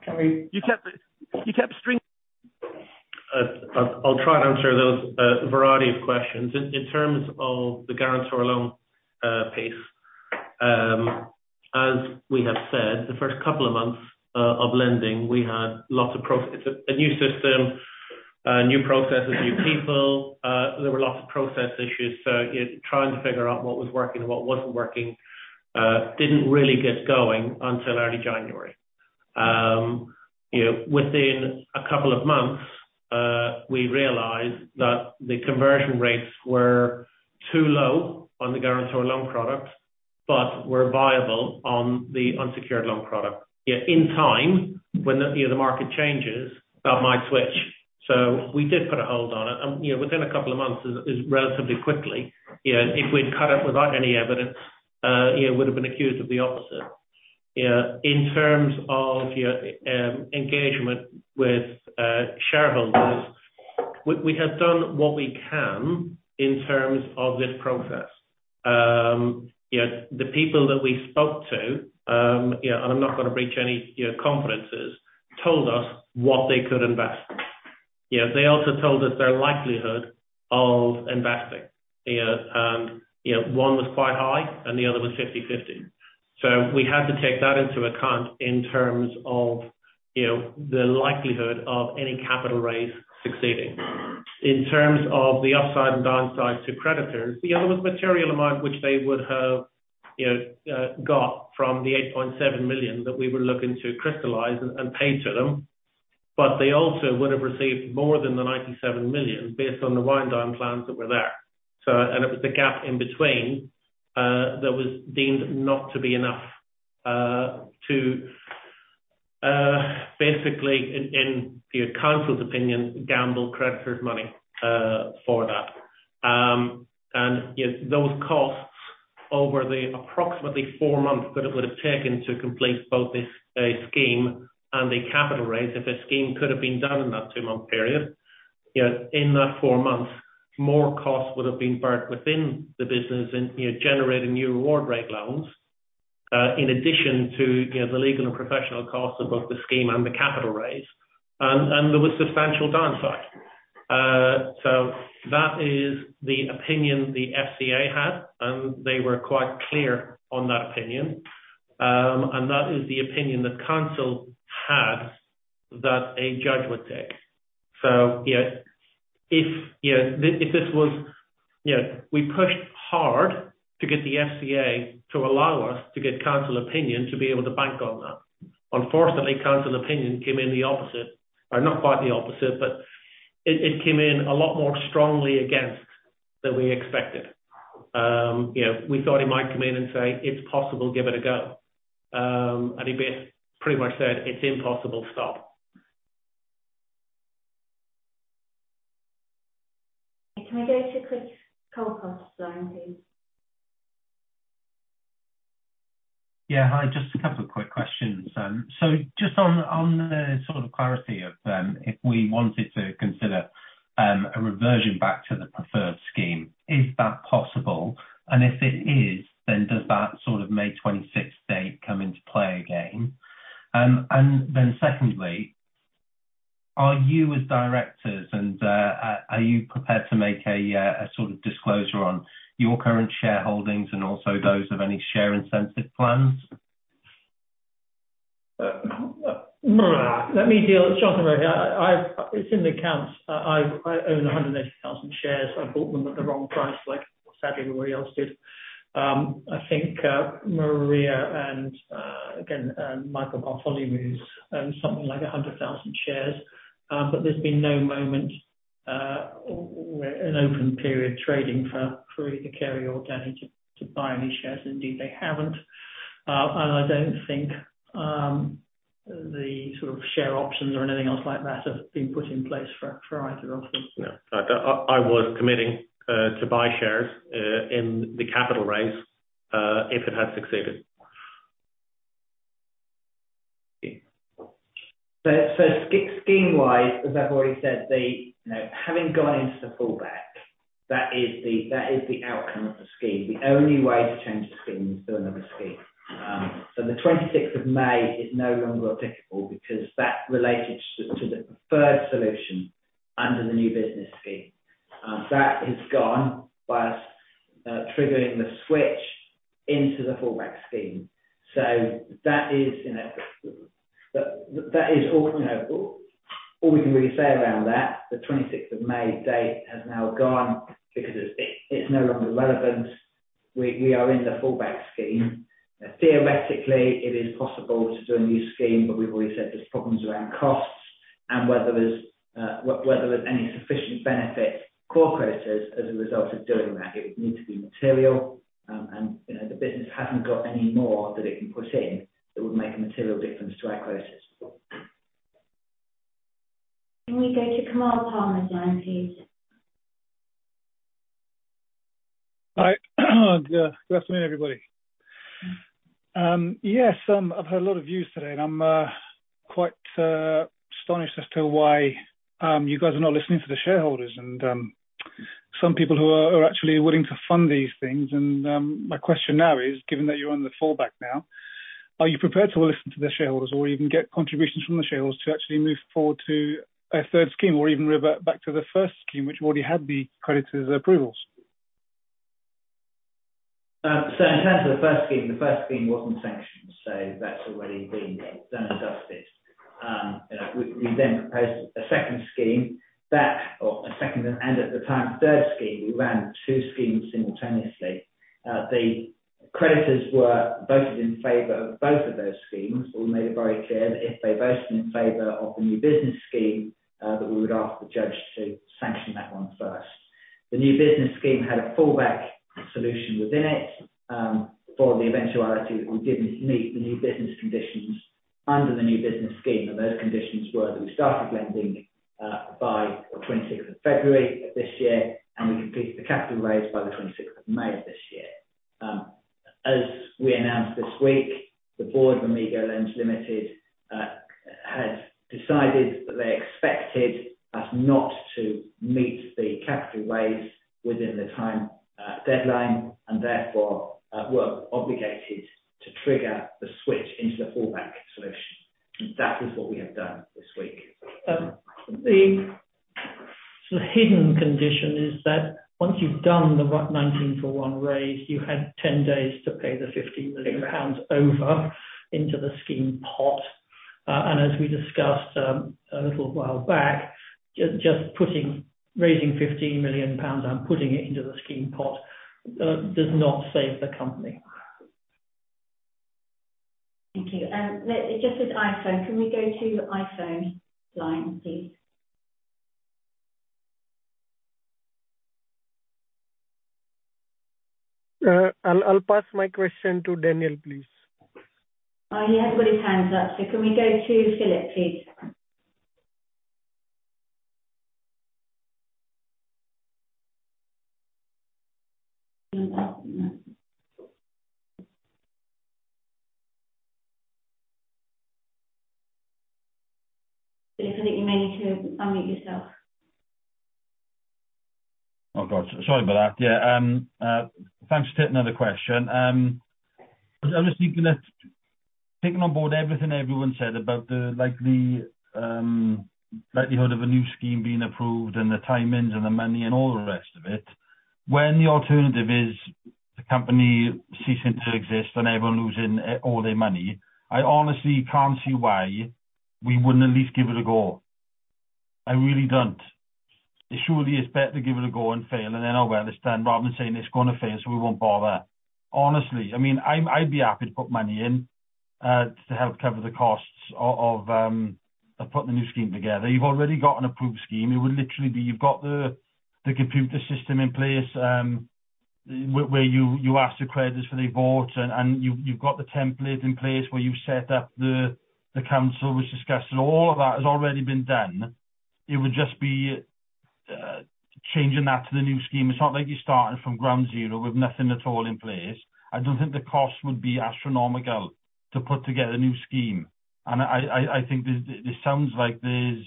Can we- You kept. I'll try and answer those variety of questions. In terms of the guarantor loan piece, as we have said, the first couple of months of lending, we had lots of it's a new system, new processes, new people, there were lots of process issues. You know, trying to figure out what was working and what wasn't working, didn't really get going until early January. You know, within a couple of months, we realized that the conversion rates were too low on the guarantor loan product, but were viable on the unsecured loan product. In time, when the, you know, the market changes, that might switch. We did put a hold on it and, you know, within a couple of months is relatively quickly. You know, if we'd cut it without any evidence, you know, would've been accused of the opposite. You know, in terms of, you know, engagement with shareholders, we have done what we can in terms of this process. You know, the people that we spoke to, you know, I'm not gonna breach any, you know, confidences, told us what they could invest. You know, they also told us their likelihood of investing. You know, you know, one was quite high and the other was 50/50. We had to take that into account in terms of, you know, the likelihood of any capital raise succeeding. In terms of the upside and downside to creditors, you know, there was material amount which they would have, you know, got from the 8.7 million that we were looking to crystallize and pay to them, but they also would have received more than the 97 million based on the wind down plans that were there. It was the gap in between that was deemed not to be enough to basically in, you know, counsel's opinion, gamble creditors' money for that. You know, those costs over the approximately four months that it would have taken to complete both a scheme and a capital raise, if a scheme could have been done in that two-month period, you know, in that four months, more costs would have been burnt within the business in, you know, generating new RewardRate loans, in addition to, you know, the legal and professional costs of both the scheme and the capital raise. There was substantial downside. That is the opinion the FCA had, and they were quite clear on that opinion. That is the opinion that counsel had that a judge would take. You know. If, you know, if this was, you know, we pushed hard to get the FCA to allow us to get council opinion to be able to bank on that. Unfortunately, council opinion came in the opposite, or not quite the opposite, but it came in a lot more strongly against than we expected. You know, we thought he might come in and say, "It's possible, give it a go." He pretty much said, "It's impossible, stop. Can I go to Chris Cole cost line, please? Yeah, hi. Just a couple of quick questions. Just on the sort of clarity of, if we wanted to consider, a reversion back to the preferred scheme, is that possible? If it is, then does that sort of May 26th date come into play again? Then secondly, are you as directors and, are you prepared to make a sort of disclosure on your current shareholdings and also those of any share incentive plans? Let me deal with Jonathan right here. It's in the accounts. I own 180,000 shares. I bought them at the wrong price, like sadly everybody else did. I think Maria and again Michael Bartholomeusz own something like 100,000 shares. There's been no moment where an open period trading for either Kerry or Danny to buy any shares. Indeed, they haven't. I don't think the sort of share options or anything else like that have been put in place for either of them. No. I was committing to buy shares in the capital raise if it had succeeded. Scheme wise, as I've already said, the, you know, having gone into the fallback, that is the outcome of the scheme. The only way to change the scheme is do another scheme. The 26th of May is no longer applicable because that related to the Preferred Solution under the New Business Scheme. That is gone by us, triggering the switch into the fallback scheme. That is, you know. That is all, you know, all we can really say around that. The 26th of May date has now gone because it's no longer relevant. We are in the fallback scheme. Theoretically, it is possible to do a new scheme, but we've always said there's problems around costs and whether there's any sufficient benefit core creditors as a result of doing that. It would need to be material, and, you know, the business hasn't got any more that it can put in that would make a material difference to our creditors. Can we go to Kamal Palmer's line, please? Hi. Good afternoon, everybody. Yes, I've heard a lot of views today, and I'm quite astonished as to why you guys are not listening to the shareholders and some people who are actually willing to fund these things. My question now is, given that you're on the fallback now, are you prepared to listen to the shareholders or even get contributions from the shareholders to actually move forward to a third scheme or even revert back to the first scheme which already had the creditors' approvals? In terms of the first scheme, the first scheme wasn't sanctioned, so that's already been done and dusted. You know, we then proposed a second scheme. That or a second and at the time, third scheme, we ran two schemes simultaneously. The creditors were voted in favor of both of those schemes. We made it very clear that if they voted in favor of the New Business Scheme, that we would ask the judge to sanction that one first. The New Business Scheme had a Fallback Solution within it, for the eventuality that we didn't meet the New Business Conditions under the New Business Scheme. And those conditions were that we started lending by the 26th of February of this year, and we completed the capital raise by the 26th of May this year. As we announced this week, the board of Amigo Loans Ltd has decided that they expected us not to meet the capital raise within the time deadline, and therefore, we're obligated to trigger the switch into the Fallback Solution. That is what we have done this week. The hidden condition is that once you've done the 119 for one raise, you had 10 days to pay the 15 million pounds over into the scheme pot. As we discussed, a little while back, raising 15 million pounds and putting it into the scheme pot, does not save the company. Thank you. Just with iPhone, can we go to iPhone line, please? I'll pass my question to Daniel, please. Oh, he hasn't got his hands up. Can we go to Philip, please? Philip, I think you may need to unmute yourself. Oh, God. Sorry about that. Yeah. Thanks for taking another question. I was thinking that taking on board everything everyone said about the likely likelihood of a new Scheme being approved and the timings and the money and all the rest of it, when the alternative isThe company ceasing to exist and everyone losing all their money. I honestly can't see why we wouldn't at least give it a go. I really don't. Surely it's better to give it a go and fail, and then I'll wear this than Robin saying it's gonna fail, so we won't bother. Honestly, I mean, I'd be happy to put money in to help cover the costs of putting the new Scheme together. You've already got an approved Scheme. It would literally be you've got the computer system in place, where you ask the creditors for their vote, and you've got the template in place where you set up the council, which discussed it. All of that has already been done. It would just be changing that to the new Scheme. It's not like you're starting from ground zero with nothing at all in place. I don't think the cost would be astronomical to put together a new Scheme. I think this sounds like there's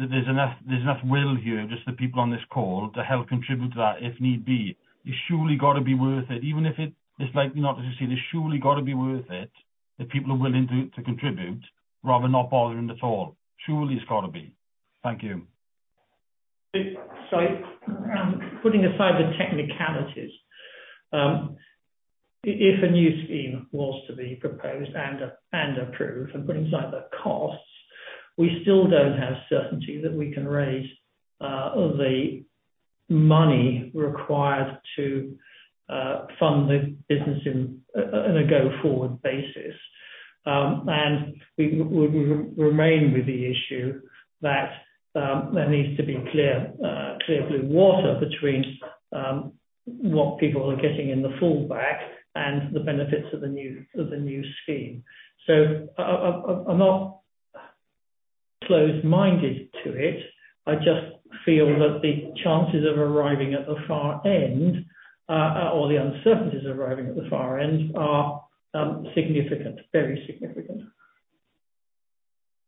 enough will here, just the people on this call to help contribute to that if need be. It's surely gotta be worth it. Even if it is likely not to succeed, it's surely gotta be worth it that people are willing to contribute rather than not bothering at all. Surely it's gotta be. Thank you. Putting aside the technicalities, if a new scheme was to be proposed and approved, and putting aside the costs, we still don't have certainty that we can raise the money required to fund the business in a go-forward basis. And we remain with the issue that there needs to be clear blue water between what people are getting in the fallback and the benefits of the new scheme. I'm not closed-minded to it. I just feel that the chances of arriving at the far end, or the uncertainties arriving at the far end are significant, very significant.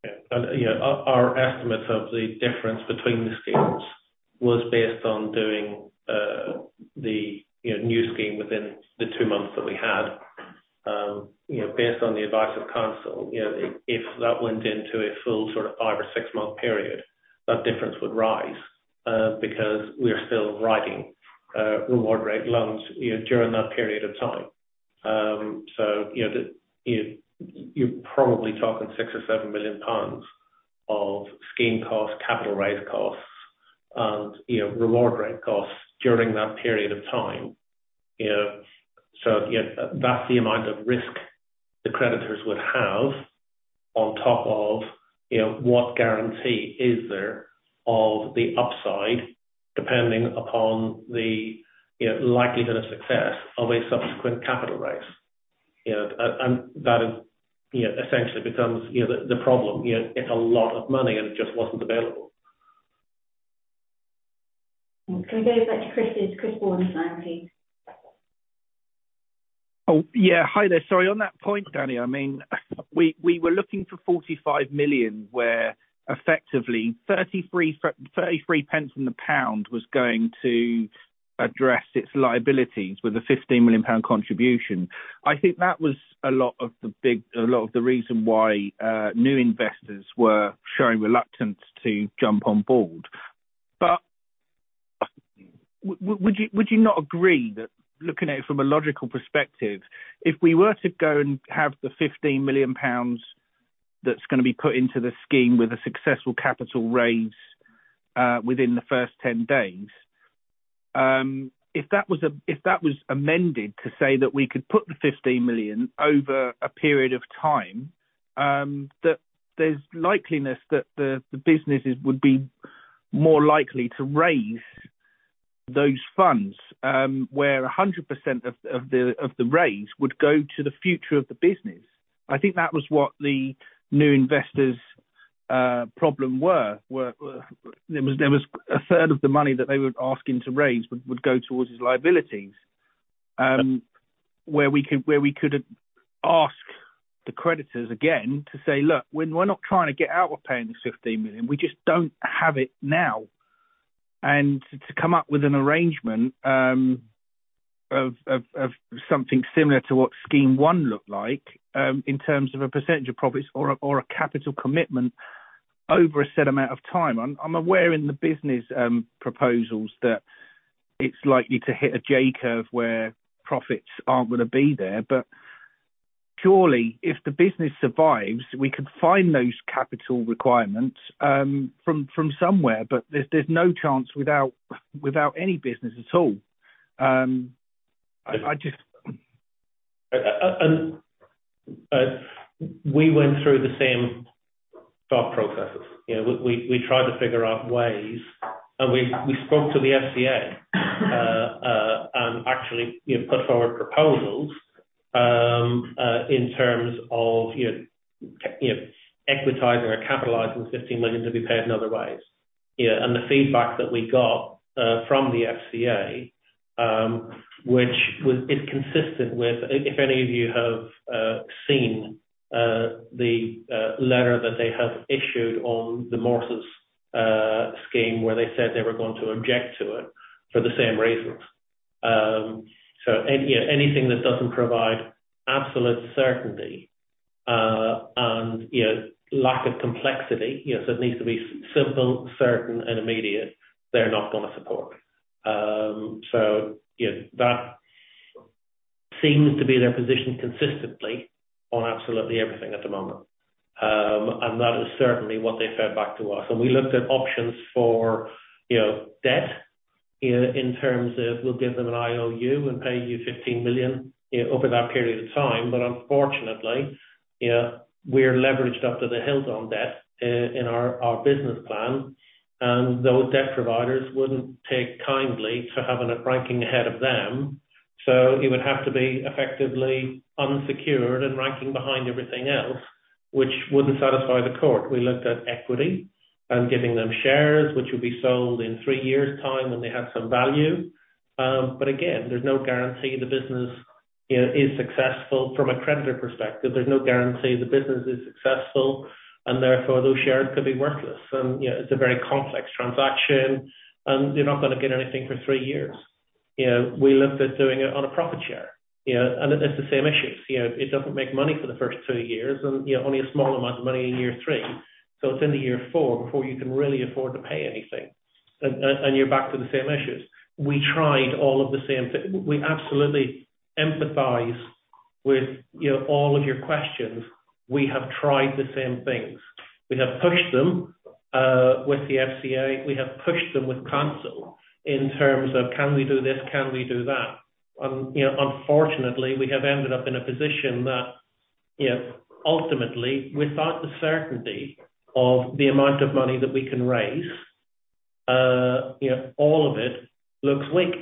Yeah. You know, our estimates of the difference between the schemes was based on doing, the, you know, new scheme within the two months that we had. You know, based on the advice of council, you know, if that went into a full sort of five or six-month period, that difference would rise because we're still writing RewardRate loans, you know, during that period of time. You know, you're probably talking 6 million or 7 million of scheme costs, capital raise costs, and, you know, RewardRate costs during that period of time, you know. You know, that's the amount of risk the creditors would have on top of, you know, what guarantee is there of the upside, depending upon the, you know, likelihood of success of a subsequent capital raise. You know, that, you know, essentially becomes, you know, the problem. You know, it's a lot of money and it just wasn't available. Can we go back to Chris? It's Chris Bourne's line, please. Yeah. Hi there. Sorry. On that point, Danny, I mean, we were looking for 45 million, where effectively 33 pence on the pound was going to address its liabilities with a 15 million pound contribution. I think that was a lot of the reason why new investors were showing reluctance to jump on board. Would you not agree that looking at it from a logical perspective, if we were to go and have the 15 million pounds that's gonna be put into the scheme with a successful capital raise, within the first 10 days, if that was amended to say that we could put the 15 million over a period of time, that there's likeliness that the businesses would be more likely to raise those funds, where 100% of the raise would go to the future of the business. I think that was what the new investors' problem were. There was a third of the money that they were asking to raise would go towards his liabilities. Where we could ask the creditors again to say, "Look, we're not trying to get out of paying this 15 million. We just don't have it now." To come up with an arrangement of something similar to what Scheme One looked like, in terms of a percentage of profits or a capital commitment over a set amount of time. I'm aware in the business proposals that it's likely to hit a J-curve where profits aren't gonna be there. If the business survives, we could find those capital requirements from somewhere. There's no chance without any business at all. We went through the same thought processes. We tried to figure out ways, and we spoke to the FCA, and actually, you know, put forward proposals in terms of, you know, equitizing or capitalizing 15 million to be paid in other ways. The feedback that we got from the FCA, which was inconsistent with... If any of you have seen the letter that they have issued on the Morses scheme, where they said they were going to object to it for the same reasons. Any, you know, anything that doesn't provide absolute certainty, and, you know, lack of complexity. It needs to be simple, certain, and immediate, they're not gonna support. You know, that seems to be their position consistently on absolutely everything at the moment. That is certainly what they fed back to us. We looked at options for, you know, debt, you know, in terms of we'll give them an IOU and pay you 15 million, you know, over that period of time. Unfortunately, you know, we're leveraged up to the hilt on debt, in our business plan, and those debt providers wouldn't take kindly to having a ranking ahead of them. It would have to be effectively unsecured and ranking behind everything else, which wouldn't satisfy the court. We looked at equity and giving them shares, which will be sold in three years' time when they have some value. Again, there's no guarantee the business, you know, is successful from a creditor perspective. There's no guarantee the business is successful, and therefore, those shares could be worthless. You know, it's a very complex transaction, and you're not going to get anything for three years. You know, we looked at doing it on a profit share, you know, it's the same issues. You know, it doesn't make money for the first two years and, you know, only a small amount of money in year three. It's into year four before you can really afford to pay anything. You're back to the same issues. We tried all of the same th... We absolutely empathize with, you know, all of your questions. We have tried the same things. We have pushed them with the FCA. We have pushed them with King's Counsel in terms of Can we do this? Can we do that? You know, unfortunately, we have ended up in a position that, you know, ultimately, without the certainty of the amount of money that we can raise, you know, all of it looks weak.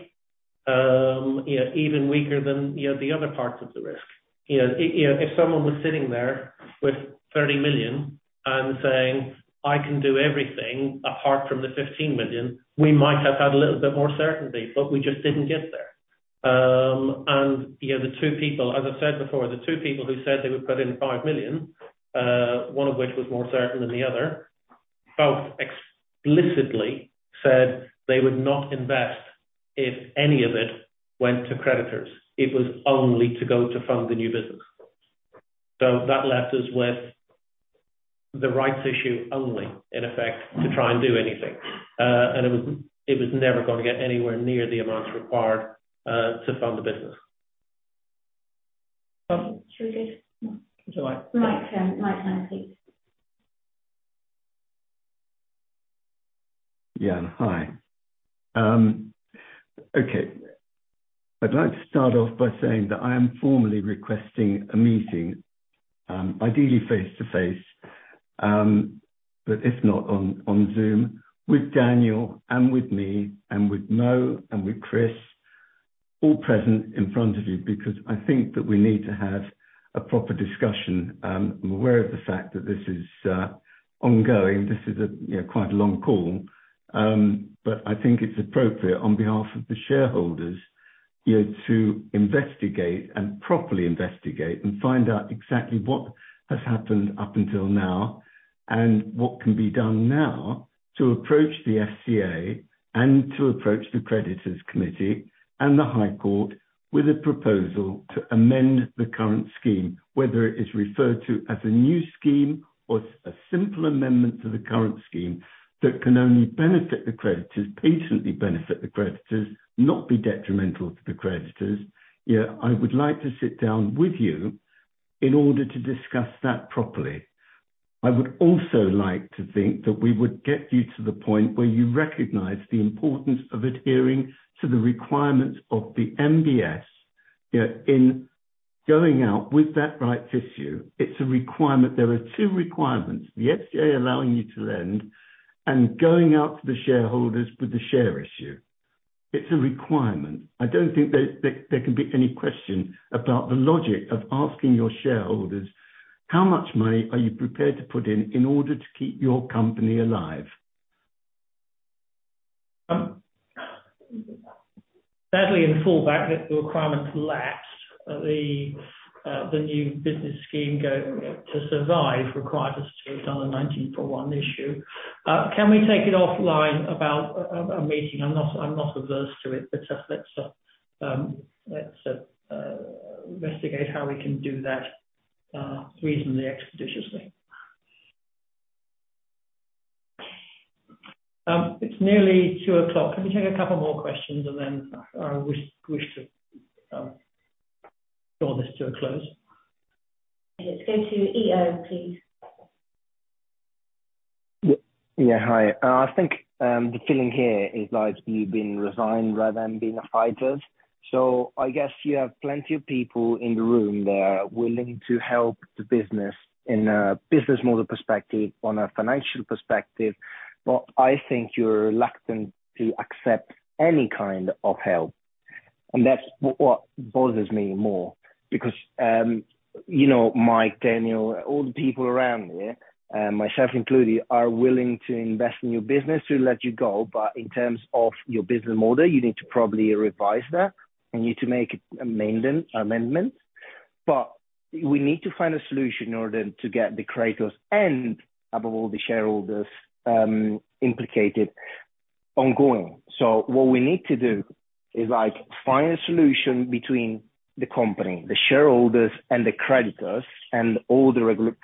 You know, even weaker than, you know, the other parts of the risk. You know, if, you know, if someone was sitting there with 30 million and saying, "I can do everything apart from the 15 million," we might have had a little bit more certainty, but we just didn't get there. You know, the two people. As I said before, the two people who said they would put in 5 million, one of which was more certain than the other, both explicitly said they would not invest if any of it went to creditors. It was only to go to fund the new business. That left us with the rights issue only, in effect, to try and do anything. It was, it was never gonna get anywhere near the amounts required, to fund the business. Should we go to- July. Mike Hunt, please. Yeah. Hi. Okay. I'd like to start off by saying that I am formally requesting a meeting, ideally face-to-face, but if not, on Zoom, with Daniel and with me and with Mo and with Chris, all present in front of you because I think that we need to have a proper discussion. I'm aware of the fact that this is ongoing. This is, you know, quite a long call. I think it's appropriate on behalf of the shareholders, you know, to investigate and properly investigate and find out exactly what has happened up until now and what can be done now to approach the FCA and to approach the creditors committee and the High Court with a proposal to amend the current scheme, whether it is referred to as a new scheme or a simple amendment to the current scheme that can only benefit the creditors, patiently benefit the creditors, not be detrimental to the creditors. You know, I would like to sit down with you in order to discuss that properly. I would also like to think that we would get you to the point where you recognize the importance of adhering to the requirements of the MBS, you know, in going out with that rights issue. It's a requirement. There are two requirements, the FCA allowing you to lend and going out to the shareholders with a share issue. It's a requirement. I don't think there can be any question about the logic of asking your shareholders how much money are you prepared to put in in order to keep your company alive. Sadly in Fallback, the requirement lapsed. The New Business Scheme to survive required us to do it on a 19 for one issue. Can we take it offline about a meeting? I'm not averse to it, let's investigate how we can do that reasonably expeditiously. It's nearly 2:00. Can we take a couple more questions and then we should draw this to a close? Let's go to EO please. Yeah. Hi. I think, the feeling here is like you're being resigned rather than being a fighter. I guess you have plenty of people in the room there willing to help the business in a business model perspective, on a financial perspective. I think you're reluctant to accept any kind of help. That's what bothers me more because, you know, Mike, Daniel, all the people around here, myself included, are willing to invest in your business to let you go. In terms of your business model, you need to probably revise that, and you need to make amendments. We need to find a solution in order to get the creditors and above all the shareholders, implicatedOngoing. What we need to do is find a solution between the company, the shareholders, and the creditors and all the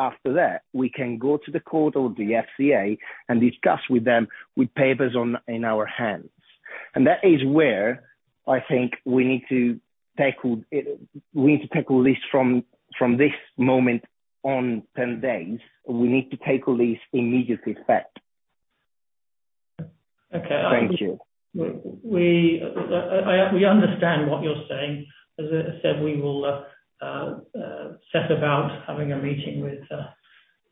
after that, we can go to the court or the FCA and discuss with them with papers on, in our hands. That is where I think we need to tackle it. We need to tackle this from this moment on, 10 days, we need to tackle this immediate effect. Okay. Thank you. We understand what you're saying. As I said, we will set about having a meeting with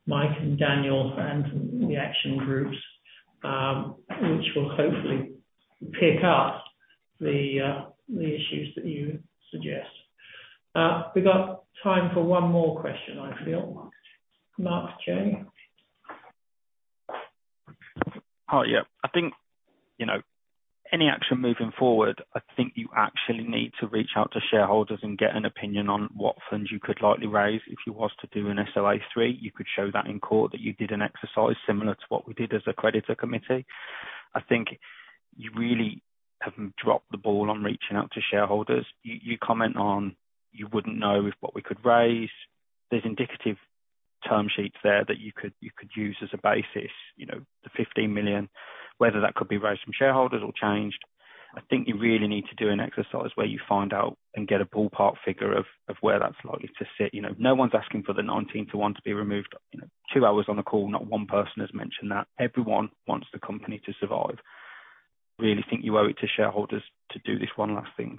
Mike and Daniel and the action groups, which will hopefully pick up the issues that you suggest. We've got time for one more question, I feel. Mark J. Hi. Yeah. I think, you know, any action moving forward, I think you actually need to reach out to shareholders and get an opinion on what funds you could likely raise if you was to do an SOA 3. You could show that in court that you did an exercise similar to what we did as a creditor committee. I think you really have dropped the ball on reaching out to shareholders. You comment on you wouldn't know if what we could raise. There's indicative term sheets there that you could, you could use as a basis, you know, the 15 million, whether that could be raised from shareholders or changed. I think you really need to do an exercise where you find out and get a ballpark figure of where that's likely to sit. You know, no one's asking for the 19 to one to be removed. You know, two hours on the call, not one person has mentioned that. Everyone wants the company to survive. Really think you owe it to shareholders to do this one last thing.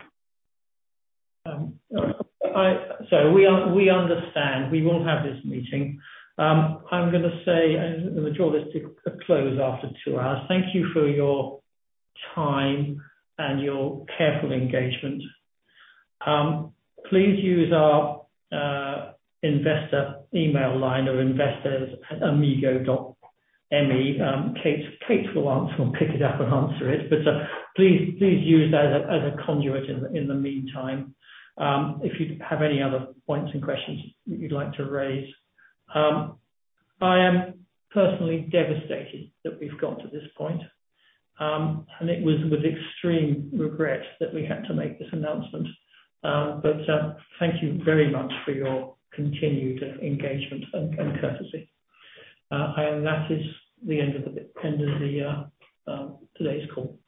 I... So we understand. We will have this meeting. I'm gonna say, and we'll draw this to a close after two hours. Thank you for your time and your careful engagement. Please use our investor email line or investors@amigo.me. Kate will answer or pick it up and answer it. Please, please use that as a conduit in the meantime, if you have any other points and questions that you'd like to raise. I am personally devastated that we've got to this point. It was with extreme regret that we had to make this announcement. Thank you very much for your continued engagement and courtesy. That is the end of the today's call.